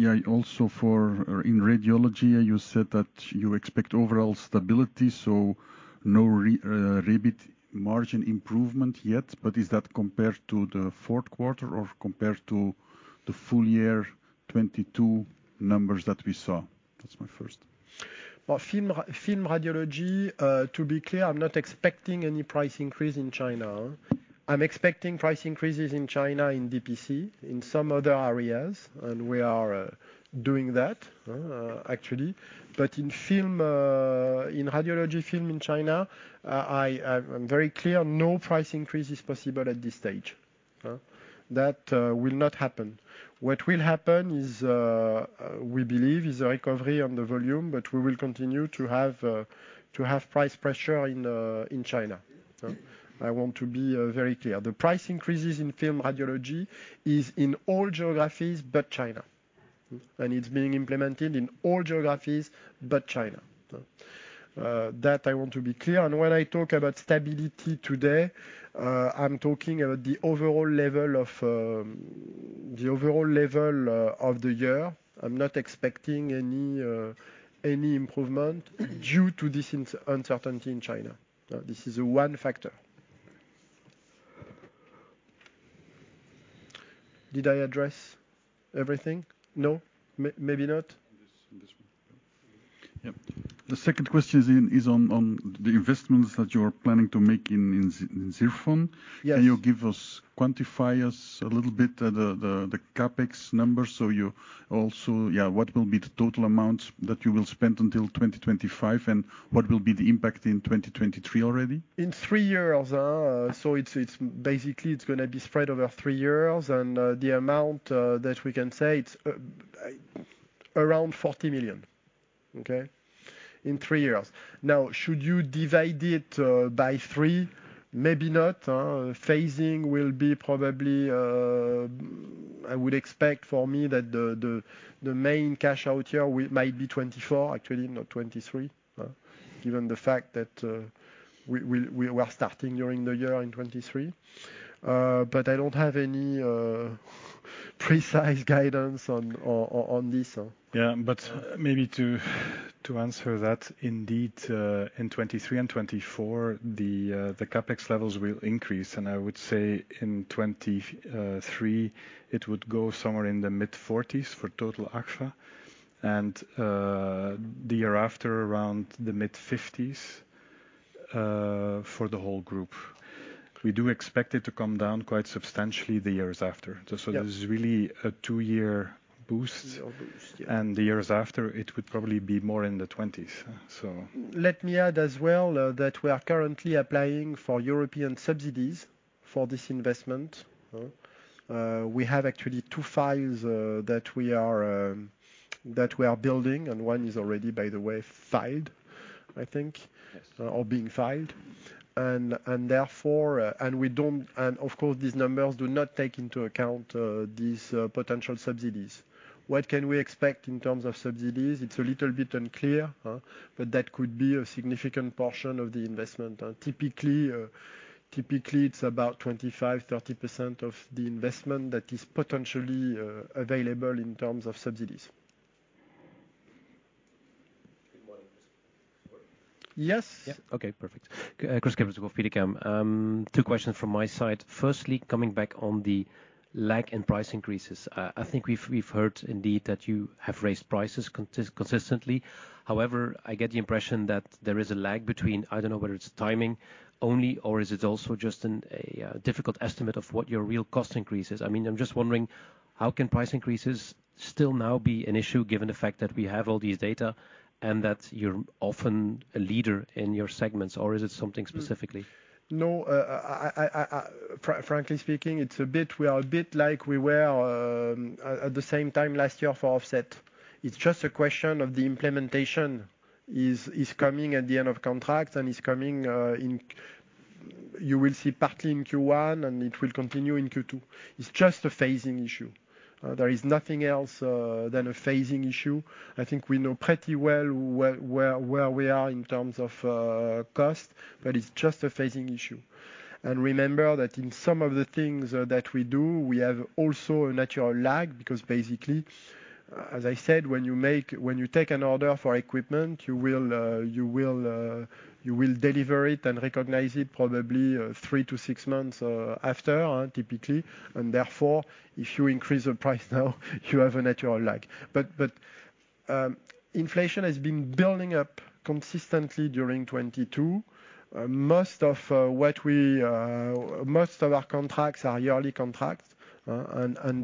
Yeah, also for in radiology, you said that you expect overall stability, so no Revit margin improvement yet. Is that compared to the Q4 or compared to the full year 2022 numbers that we saw? That's my first. Well, film radiology, to be clear, I'm not expecting any price increase in China. I'm expecting price increases in China in DPC, in some other areas, we are doing that, actually. In film, in radiology film in China, I'm very clear, no price increase is possible at this stage. That will not happen. What will happen is, we believe, is a recovery on the volume, we will continue to have price pressure in China. I want to be very clear. The price increases in film radiology is in all geographies but China. It's being implemented in all geographies but China. That I want to be clear. When I talk about stability today, I'm talking about the overall level of the overall level of the year. I'm not expecting any improvement due to this uncertainty in China. This is one factor. Did I address everything? No? Maybe not. Yes. The second question is on the investments that you're planning to make in ZIRFON. Yes. Can you give us, quantify us a little bit the CapEx numbers. Yeah, what will be the total amount that you will spend until 2025, and what will be the impact in 2023 already? In three years, so it's basically it's gonna be spread over three years. The amount that we can say, it's around 40 million. Okay? In three years. Should you divide it by three? Maybe not, phasing will be probably, I would expect for me that the, the main cash out year might be 2024, actually, not 2023, given the fact that we are starting during the year in 2023. I don't have any precise guidance on, on this. Yeah. Maybe to answer that, indeed, in 2023 and 2024, the CapEx levels will increase. I would say in 2023, it would go somewhere in the mid-forties for total Agfa and the year after, around the mid-fifties. For the whole group. We do expect it to come down quite substantially the years after. Yeah. This is really a two-year boost. Two-year boost, yeah. The years after, it would probably be more in the twenties, so Let me add as well that we are currently applying for European subsidies for this investment. We have actually two files that we are building. One is already, by the way, filed, I think Yes or being filed. Therefore, we don't. Of course, these numbers do not take into account these potential subsidies. What can we expect in terms of subsidies? It's a little bit unclear, but that could be a significant portion of the investment. Typically, it's about 25% to 30% of the investment that is potentially available in terms of subsidies. One more, sorry. Yes. Yeah, okay. Perfect. Kris Kippers for Degroof Petercam. Two questions from my side. Firstly, coming back on the lag and price increases. I think we've heard indeed that you have raised prices consistently. However, I get the impression that there is a lag between, I don't know whether it's timing only or is it also just a difficult estimate of what your real cost increase is. I mean, I'm just wondering, how can price increases still now be an issue given the fact that we have all these data and that you're often a leader in your segments, or is it something specifically? No. I frankly speaking, it's a bit like we were at the same time last year for Offset. It's just a question of the implementation is coming at the end of contract and is coming in. You will see partly in Q1, and it will continue in Q2. It's just a phasing issue. There is nothing else than a phasing issue. I think we know pretty well where we are in terms of cost, but it's just a phasing issue. Remember that in some of the things that we do, we have also a natural lag, because basically, as I said, when you take an order for equipment, you will deliver it and recognize it probably three to six months after typically. Therefore, if you increase the price now you have a natural lag. Inflation has been building up consistently during 2022. Most of our contracts are yearly contracts.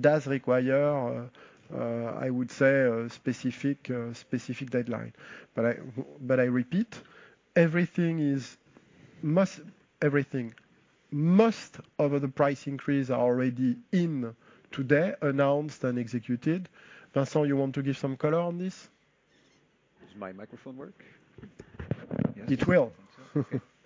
Does require, I would say a specific specific deadline. I repeat, everything is. Everything. Most of the price increase are already in today, announced and executed. Vincent, you want to give some color on this? Does my microphone work? Yes. It will.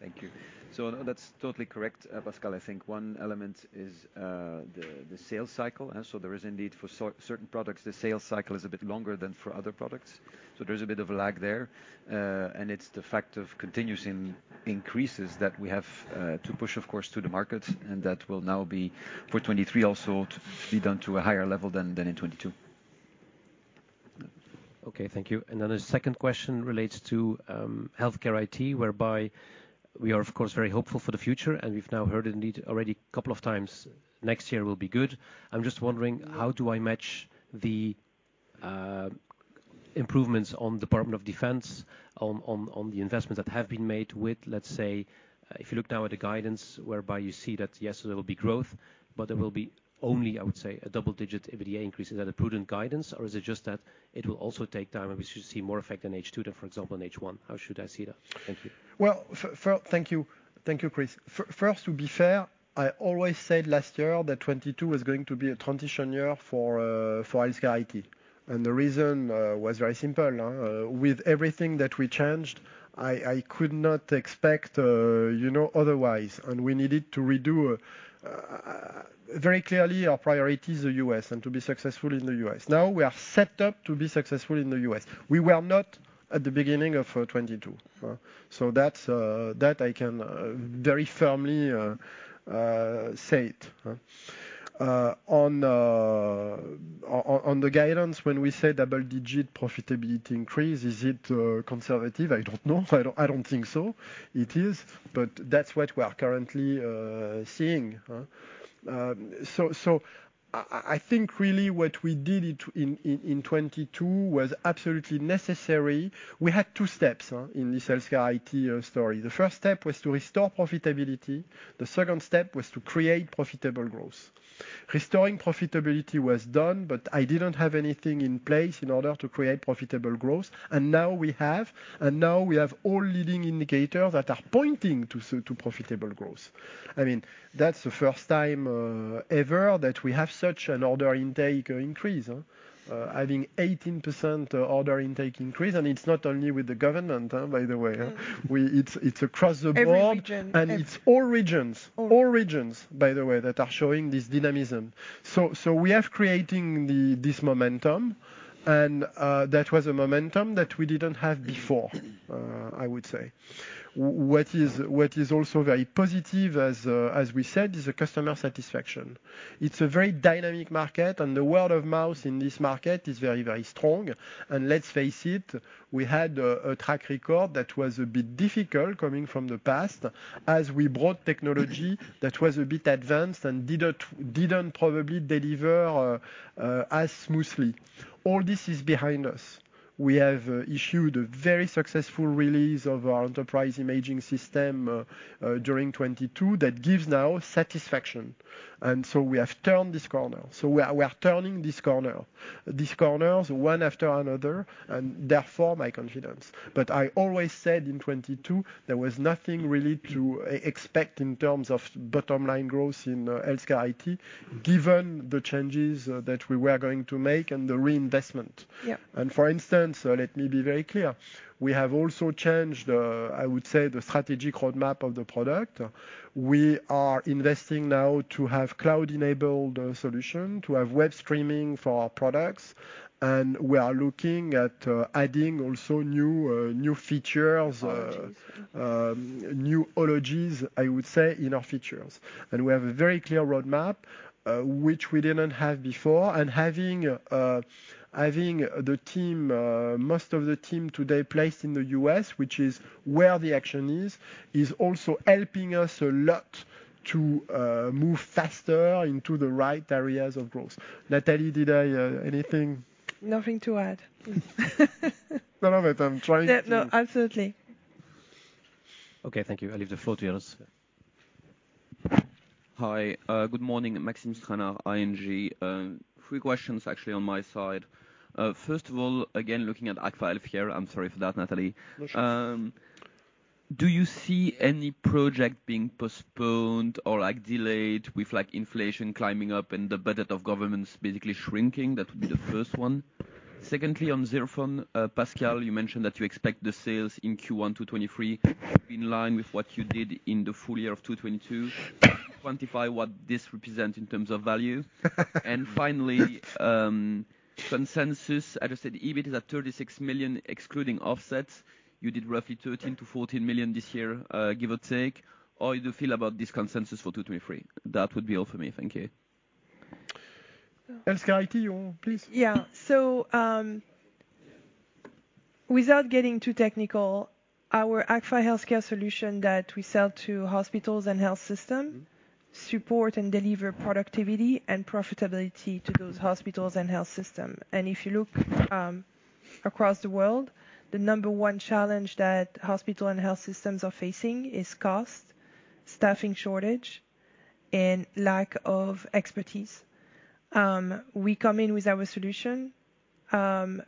Thank you. That's totally correct, Pascal. I think one element is the sales cycle. There is indeed for certain products, the sales cycle is a bit longer than for other products. There's a bit of a lag there. It's the fact of continuous increases that we have to push, of course, to the market, and that will now be for 2023 also to be done to a higher level than in 2022. Okay, thank you. A second question relates to HealthCare IT, whereby we are, of course, very hopeful for the future, and we've now heard indeed already a couple of times next year will be good. I'm just wondering, how do I match the improvements on Department of Defense on the investments that have been made with, let's say, if you look now at the guidance, whereby you see that, yes, there will be growth, but there will be only, I would say, a double-digit EBITDA increase? Is that a prudent guidance, or is it just that it will also take time and we should see more effect in H2 than, for example, in H1? How should I see that? Thank you. Well, Thank you. Thank you, Kris. First, to be fair, I always said last year that 2022 was going to be a transition year for HealthCare IT. The reason was very simple, with everything that we changed, I could not expect, you know, otherwise, and we needed to redo. Very clearly our priority is the U.S. and to be successful in the U.S. Now we are set up to be successful in the U.S. We were not at the beginning of 2022. That, that I can very firmly say it. On the guidance, when we say double-digit profitability increase, is it conservative? I don't know. I don't think so. It is, but that's what we are currently seeing. I think really what we did in 2022 was absolutely necessary. We had two steps in this HealthCare IT story. The first step was to restore profitability. The second step was to create profitable growth. Restoring profitability was done, but I didn't have anything in place in order to create profitable growth. Now we have. Now we have all leading indicators that are pointing to profitable growth. I mean, that's the first time ever that we have such an order intake increase. I think 18% order intake increase, and it's not only with the government, by the way. It's across the board. Every region. It's all regions. All. All regions, by the way, that are showing this dynamism. We are creating this momentum and that was a momentum that we didn't have before, I would say. What is also very positive, as we said, is the customer satisfaction. It's a very dynamic market, and the word of mouth in this market is very strong. Let's face it, we had a track record that was a bit difficult coming from the past, as we brought technology that was a bit advanced and didn't probably deliver as smoothly. All this is behind us. We have issued a very successful release of our Enterprise Imaging system during 2022 that gives now satisfaction. We have turned this corner. We are turning this corner. These corners, one after another, and therefore my confidence. I always said in 2022, there was nothing really to expect in terms of bottom line growth in HealthCare IT, given the changes that we were going to make and the reinvestment. Yeah. For instance, let me be very clear, we have also changed, I would say the strategic roadmap of the product. We are investing now to have cloud-enabled solution, to have web streaming for our products. We are looking at adding also new features. technologies new technologies, I would say, in our features. We have a very clear roadmap, which we didn't have before. Having the team, most of the team today placed in the U.S., which is where the action is also helping us a lot to move faster into the right areas of growth. Nathalie, did I. Anything? Nothing to add. None of it. Yeah, no, absolutely. Okay, thank you. I leave the floor to yours. Hi. Good morning. Maxime Stranart, ING. Three questions actually on my side. First of all, again, looking at Agfa HealthCare here, I'm sorry for that, Nathalie. No worries. Do you see any project being postponed or, like, delayed with, like, inflation climbing up and the budget of governments basically shrinking? Secondly, on ZIRFON, Pascal, you mentioned that you expect the sales in Q1 2023 in line with what you did in the full year of 2022. Quantify what this represent in terms of value. Finally, consensus. As I said, EBIT is at 36 million, excluding offsets. You did roughly 13 million to 14 million this year, give or take. How do you feel about this consensus for 2023? That would be all for me. Thank you. HealthCare IT, please. Yeah. without getting too technical, our AGFA HealthCare solution that we sell to hospitals and health system Mm-hmm support and deliver productivity and profitability to those hospitals and health system. If you look across the world, the number one challenge that hospital and health systems are facing is cost, staffing shortage, and lack of expertise. We come in with our solution,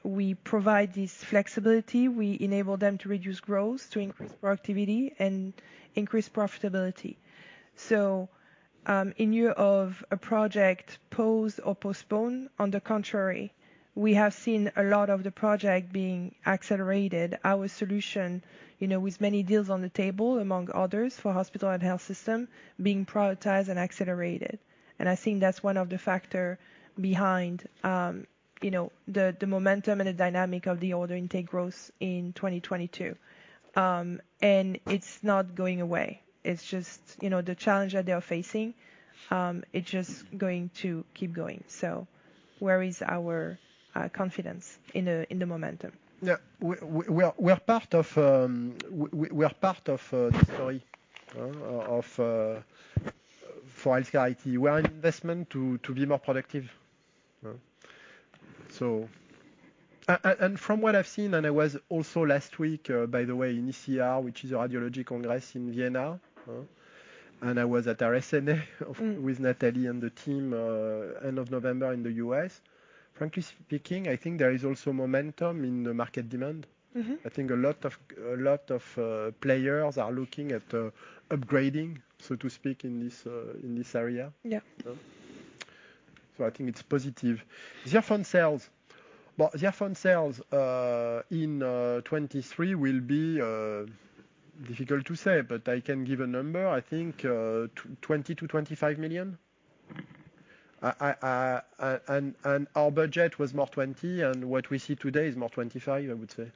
we provide this flexibility, we enable them to reduce growth, to increase productivity and increase profitability. In year of a project paused or postponed, on the contrary, we have seen a lot of the project being accelerated. Our solution, you know, with many deals on the table, among others, for hospital and health system being prioritized and accelerated. I think that's one of the factor behind, you know, the momentum and the dynamic of the order intake growth in 2022. It's not going away. It's just, you know, the challenge that they are facing, it's just going to keep going. Where is our confidence? In the, in the momentum. Yeah. We are part of the story of for HealthCare IT. We are investment to be more productive. From what I've seen, I was also last week, by the way, in ECR, which is a radiology congress in Vienna, and I was at RSNA. Mm-hmm with Nathalie and the team, end of November in the U.S. Frankly speaking, I think there is also momentum in the market demand. Mm-hmm. I think a lot of players are looking at upgrading, so to speak, in this area. Yeah. I think it's positive. ZIRFON sales. Well, ZIRFON sales in 2023 will be difficult to say, but I can give a number. I think 20 million to 25 million. Our budget was more 20 million, and what we see today is more 25 million, I would say.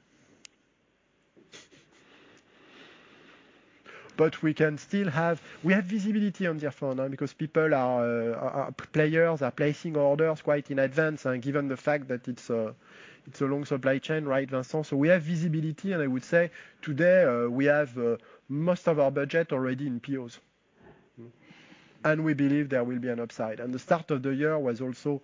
But we can still have. We have visibility on ZIRFON now because people are, players are placing orders quite in advance. Given the fact that it's a long supply chain, right, Vincent? We have visibility, and I would say today, we have most of our budget already in POs. We believe there will be an upside. The start of the year was also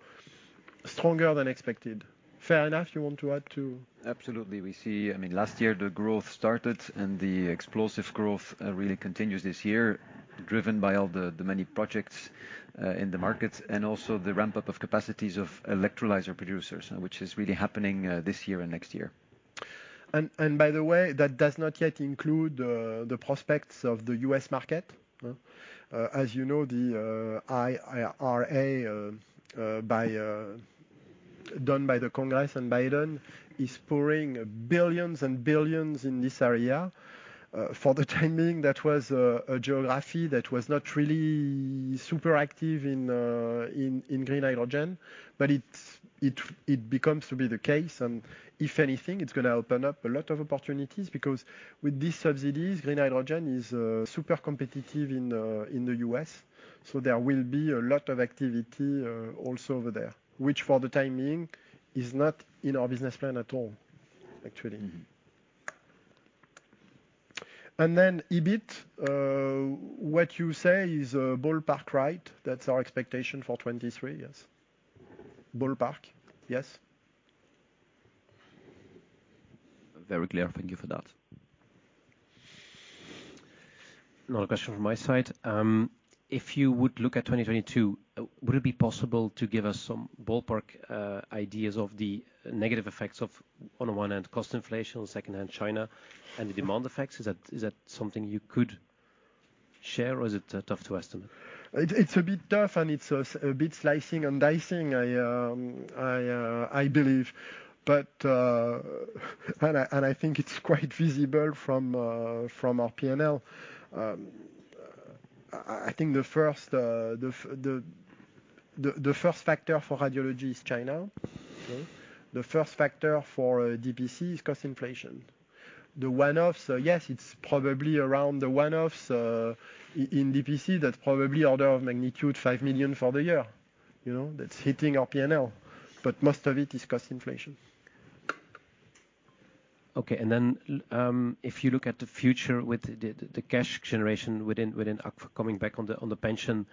stronger than expected. Fair enough. You want to add too? Absolutely. We see, I mean, last year the growth started and the explosive growth really continues this year, driven by all the many projects in the markets, and also the ramp-up of capacities of electrolyzer producers, which is really happening this year and next year. By the way, that does not yet include the prospects of the U.S. market. As you know, the IRA, done by the Congress and Biden, is pouring billions and billions in this area. For the time being, that was a geography that was not really super active in green hydrogen, but it becomes to be the case. If anything, it's gonna open up a lot of opportunities because with these subsidies, green hydrogen is super competitive in the U.S. There will be a lot of activity also over there, which for the time being is not in our business plan at all, actually. Mm-hmm. EBIT, what you say is ballpark, right? That's our expectation for 2023, yes. Ballpark. Yes. Very clear. Thank you for that. Another question from my side. If you would look at 2022, would it be possible to give us some ballpark ideas of the negative effects of, on one hand, cost inflation, on second hand, China and the demand effects? Is that something you could share or is it tough to estimate? It's a bit tough and it's a bit slicing and dicing. I believe, and I think it's quite visible from our P&L. I think the first factor for radiology is China. Okay. The first factor for DPC is cost inflation. The one-offs, yes, it's probably around the one-offs, in DPC that probably order of magnitude 5 million for the year, you know. That's hitting our P&L. Most of it is cost inflation. Okay. If you look at the future with the cash generation within Agfa coming back on the, on the pension,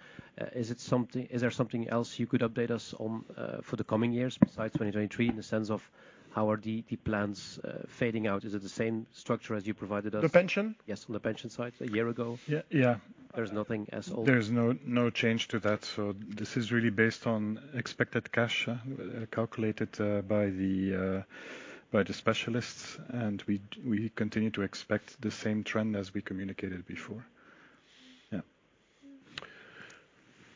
is there something else you could update us on, for the coming years besides 2023 in the sense of how are the plans, fading out? Is it the same structure as you provided us? The pension? Yes. On the pension side a year ago. Yeah. Yeah. There's nothing as old There's no change to that. This is really based on expected cash, calculated by the specialists. We continue to expect the same trend as we communicated before. Yeah.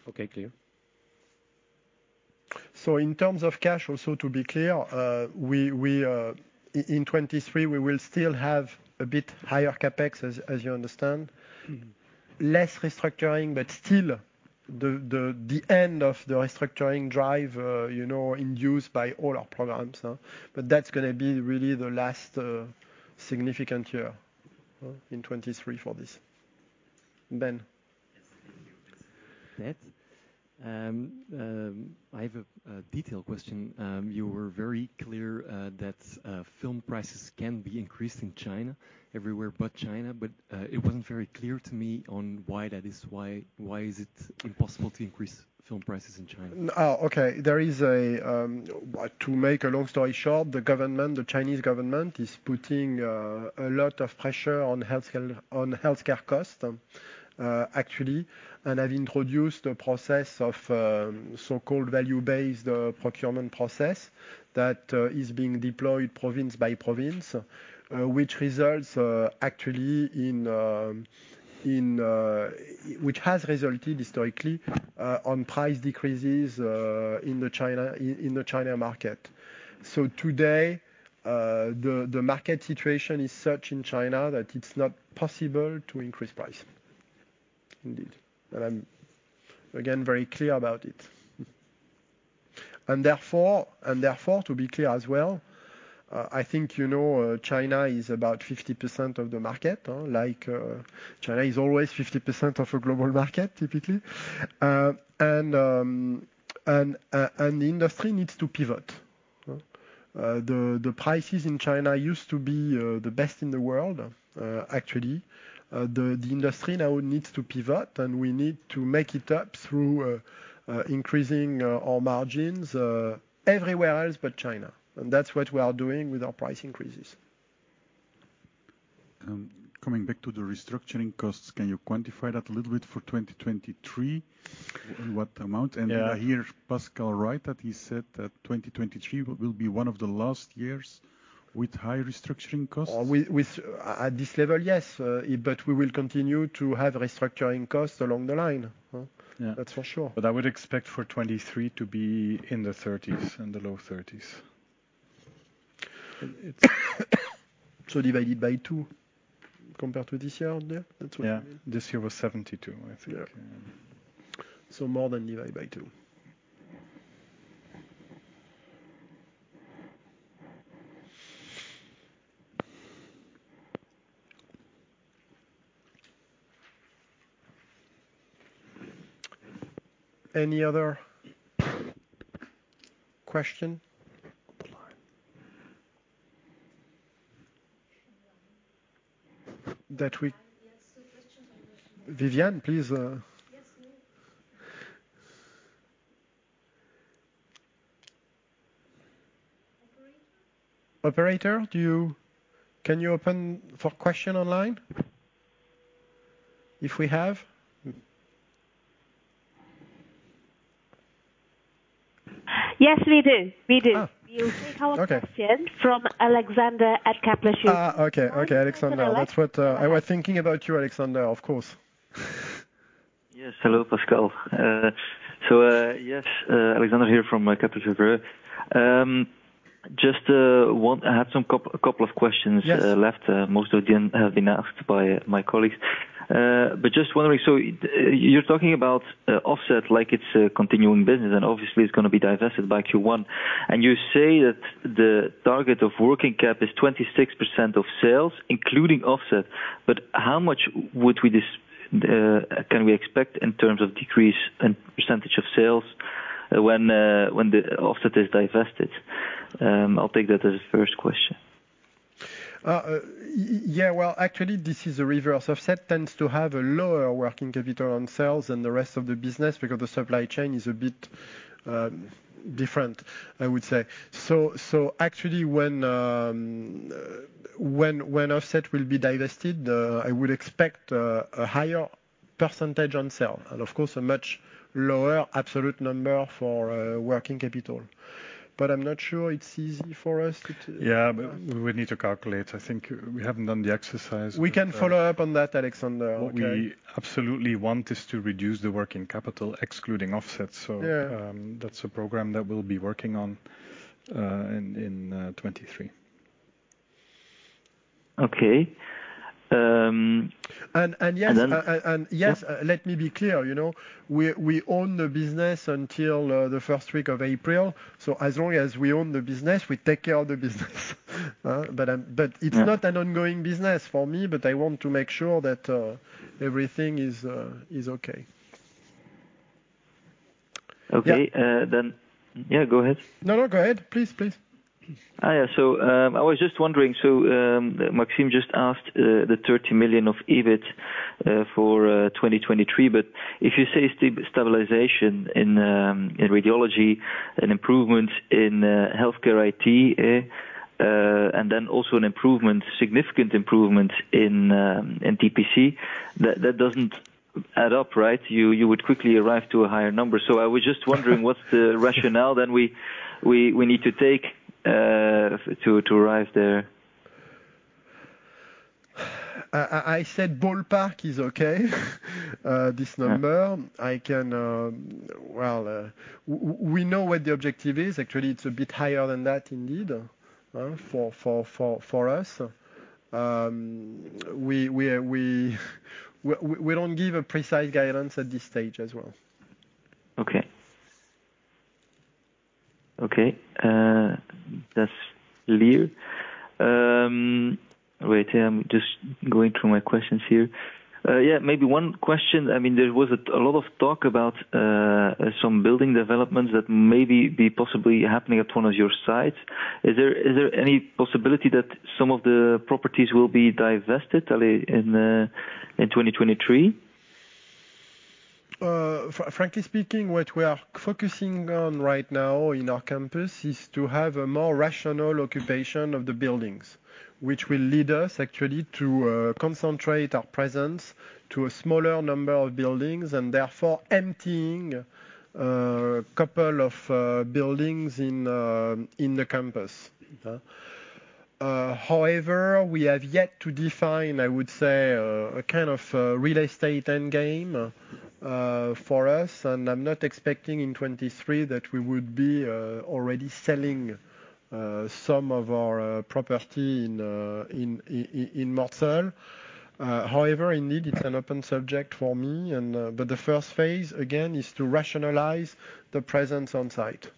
Okay. Clear. In terms of cash also to be clear, in 2023, we will still have a bit higher CapEx as you understand. Mm-hmm. Less restructuring, but still the end of the restructuring drive, you know, induced by all our programs. That's gonna be really the last significant year in 2023 for this. Ben? Yes. Thank you. Ben, I have a detailed question. You were very clear that film prices can be increased in China, everywhere but China, but it wasn't very clear to me on why that is. Why is it impossible to increase film prices in China? Okay. There is a, to make a long story short, the government, the Chinese government is putting a lot of pressure on healthcare, on healthcare costs, actually, and have introduced a process of so-called value-based procurement process that is being deployed province by province. Which has resulted historically on price decreases in the China market. Today, the market situation is such in China that it's not possible to increase price. Indeed. I'm, again, very clear about it. Therefore, to be clear as well, I think you know, China is about 50% of the market, like China is always 50% of a global market, typically. And the industry needs to pivot. The prices in China used to be the best in the world, actually. The industry now needs to pivot, and we need to make it up through increasing our margins everywhere else but China. That's what we are doing with our price increases. Coming back to the restructuring costs, can you quantify that a little bit for 2023? In what amount? Yeah. Did I hear Pascal right, that he said that 2023 will be one of the last years with high restructuring costs? At this level, yes, we will continue to have restructuring costs along the line. Yeah. That's for sure. I would expect for 2023 to be in the thirties, in the low thirties. Divided by two compared to this year, yea? That's what Yeah. This year was 72, I think. Yeah. More than divided by two. Any other question? Yes, questions on the- Vivian, please, Yes, no. Operator? Operator, can you open for question online if we have? Yes, we do. We do. Oh, okay. You take our question from Alexander at Capital Group. Okay. Okay, Alexander. That's what, I was thinking about you, Alexander, of course. Yes. Hello, Pascal. Alexander here from Capital Group. I have a couple of questions. Yes left. Most of them have been asked by my colleagues. Just wondering, you're talking about Offset like it's a continuing business, and obviously it's gonna be divested by Q1. You say that the target of working cap is 26% of sales, including Offset. How much can we expect in terms of decrease and percentage of sales when the Offset is divested? I'll take that as the first question. Yeah. Well, actually, this is a reverse. Offset tends to have a lower working capital on sales than the rest of the business because the supply chain is a bit different, I would say. Actually, when Offset will be divested, I would expect a higher percentage on sale, and of course, a much lower absolute number for working capital. I'm not sure it's easy for us to Yeah. We need to calculate. I think we haven't done the exercise. We can follow up on that, Alexander. Okay. What we absolutely want is to reduce the working capital, excluding Offset. Yeah that's a program that we'll be working on, in 2023. Okay. And, and yes And then yes Yes let me be clear, you know. We own the business until the first week of April. As long as we own the business, we take care of the business. It's not an ongoing business for me, but I want to make sure that everything is okay. Okay. Yeah. Yeah, go ahead. No, no, go ahead. Please, please. Yeah. I was just wondering, Maxime just asked the 30 million of EBIT for 2023. If you say stabilization in radiology and improvement in HealthCare IT, and then also an improvement, significant improvement in DPC, that doesn't add up, right? You would quickly arrive to a higher number. I was just wondering what's the rationale then we need to take to arrive there? I said ballpark is okay, this number. Yeah. I can. Well, we know what the objective is. Actually, it's a bit higher than that indeed, for us. We don't give a precise guidance at this stage as well. Okay. Okay. That's clear. Wait here, I'm just going through my questions here. Yeah, maybe one question. I mean, there was a lot of talk about some building developments that possibly happening at one of your sites. Is there any possibility that some of the properties will be divested in 2023? Frankly speaking, what we are focusing on right now in our campus is to have a more rational occupation of the buildings, which will lead us actually to concentrate our presence to a smaller number of buildings, and therefore emptying a couple of buildings in the campus. However, we have yet to define, I would say, a kind of real estate end game for us, and I'm not expecting in 2023 that we would be already selling some of our property in Mortsel. However, indeed, it's an open subject for me. The first phase, again, is to rationalize the presence on site.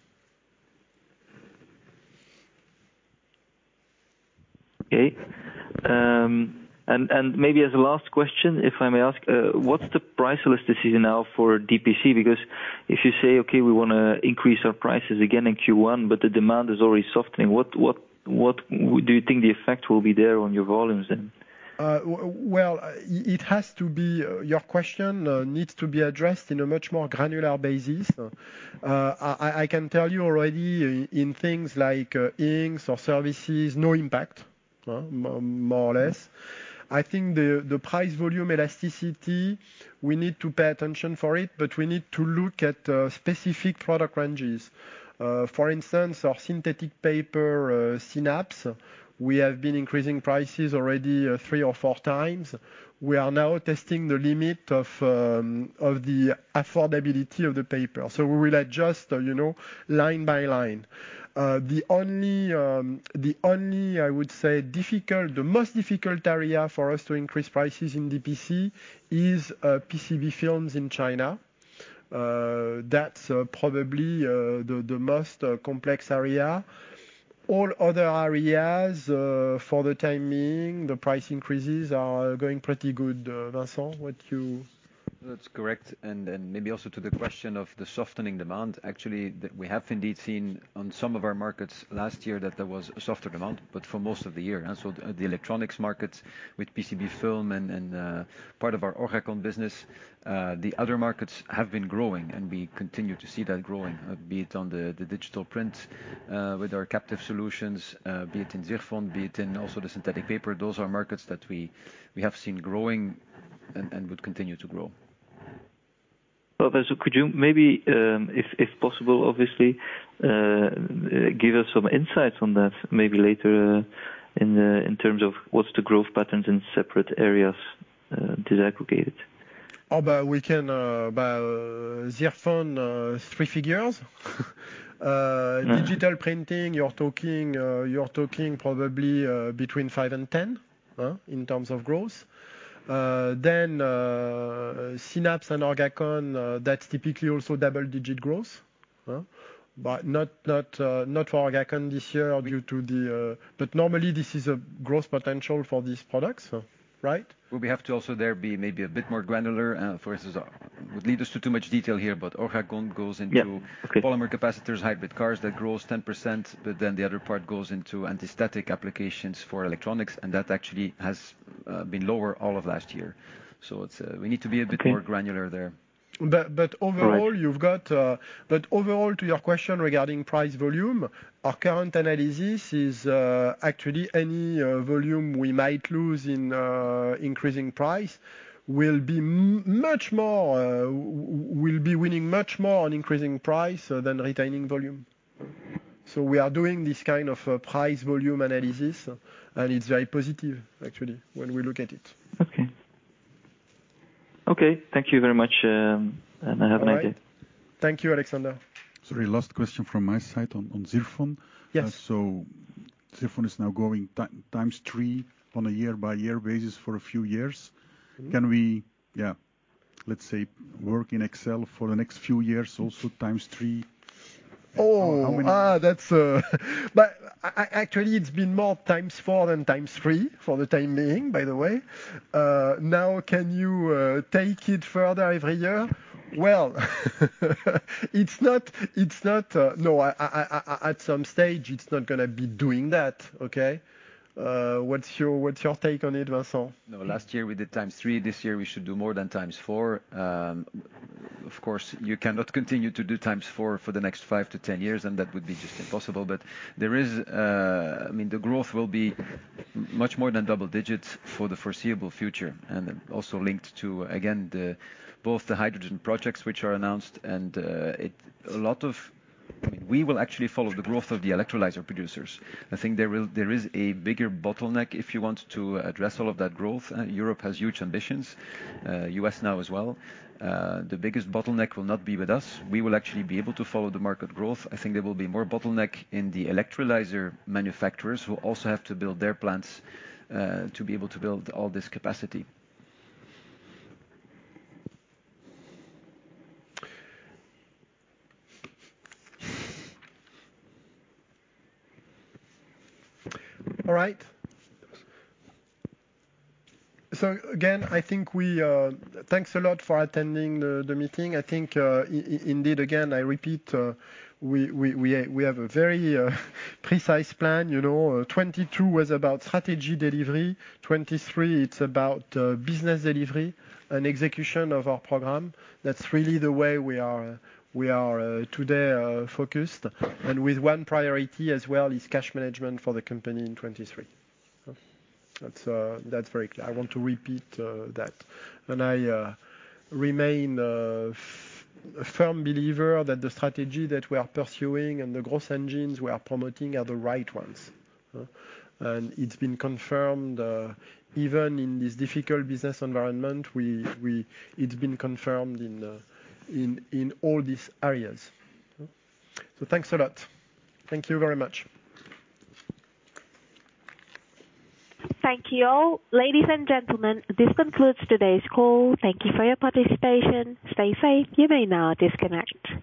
Okay. maybe as a last question, if I may ask, what's the price elasticity now for DPC? Because if you say, "Okay, we wanna increase our prices again in Q1," but the demand is already softening, what do you think the effect will be there on your volumes then? Well, your question needs to be addressed in a much more granular basis. I can tell you already in things like inks or services, no impact. More or less. I think the price volume elasticity, we need to pay attention for it, but we need to look at specific product ranges. For instance, our synthetic paper, SYNAPS, we have been increasing prices already 3x or 4x. We are now testing the limit of the affordability of the paper. We will adjust, you know, line by line. The only, I would say, difficult, the most difficult area for us to increase prices in DPC is PCB films in China. That's probably the most complex area. All other areas, for the time being, the price increases are going pretty good. Vincent, what you That's correct. Maybe also to the question of the softening demand. Actually, we have indeed seen on some of our markets last year that there was a softer demand, but for most of the year. So the electronics markets with PCB film and part of our ORGACON business, the other markets have been growing, and we continue to see that growing, be it on the digital print, with our captive solutions, be it in ZIRFON, be it in also the synthetic paper. Those are markets that we have seen growing and would continue to grow. Vincent could you maybe, if possible, obviously, give us some insights on that maybe later in terms of what's the growth patterns in separate areas, disaggregated? Oh, we can by ZIRFON three figures. Mm-hmm. digital printing, you're talking, you're talking probably, between five and 10, in terms of growth. SYNAPS and ORGACON, that's typically also double-digit growth. but not, not for ORGACON this year due to the. Normally this is a growth potential for these products, right? Well, we have to also there be maybe a bit more granular. For instance would lead us to too much detail here, but ORGACON goes into Yeah. Okay. polymer capacitors, hybrid cars that grows 10%, but then the other part goes into anti-static applications for electronics, and that actually has been lower all of last year. It's, we need to be a bit. Okay more granular there. But, but overall Right You've got. Overall, to your question regarding price volume, our current analysis is actually any volume we might lose in increasing price will be much more, will be winning much more on increasing price than retaining volume. We are doing this kind of price volume analysis, and it's very positive actually when we look at it. Okay. Okay. Thank you very much, and I have an idea. All right. Thank you, Alexander. Sorry, last question from my side on ZIRFON. Yes. ZIRFON is now growing times three on a year-over-year basis for a few years. Mm-hmm. Yeah. Let's say work in Excel for the next few years, also times three. Oh. How many? That's actually it's been more 4x than 3x for the time being, by the way. Now can you take it further every year? Well, it's not at some stage it's not gonna be doing that. Okay? What's your, what's your take on it, Vincent? No, last year we did 3x. This year we should do more than 4x. Of course, you cannot continue to do 4x for the next 5 to 10 years, and that would be just impossible. But there is, I mean, the growth will be much more than double digits for the foreseeable future. Also linked to, again, the, both the hydrogen projects which are announced and. We will actually follow the growth of the electrolyzer producers. I think there is a bigger bottleneck if you want to address all of that growth. Europe has huge ambitions. U.S. now as well. The biggest bottleneck will not be with us. We will actually be able to follow the market growth. I think there will be more bottleneck in the electrolyzer manufacturers who also have to build their plants to be able to build all this capacity. All right. Again, I think we. Thanks a lot for attending the meeting. I think, indeed, again, I repeat, we have a very precise plan, you know. 2022 was about strategy delivery. 2023, it's about business delivery and execution of our program. That's really the way we are today focused. With one priority as well is cash management for the company in 2023. That's very clear. I want to repeat that. I remain a firm believer that the strategy that we are pursuing and the growth engines we are promoting are the right ones. It's been confirmed, even in this difficult business environment, we it's been confirmed in all these areas. Thanks a lot. Thank you very much. Thank you all. Ladies and gentlemen, this concludes today's call. Thank you for your participation. Stay safe. You may now disconnect.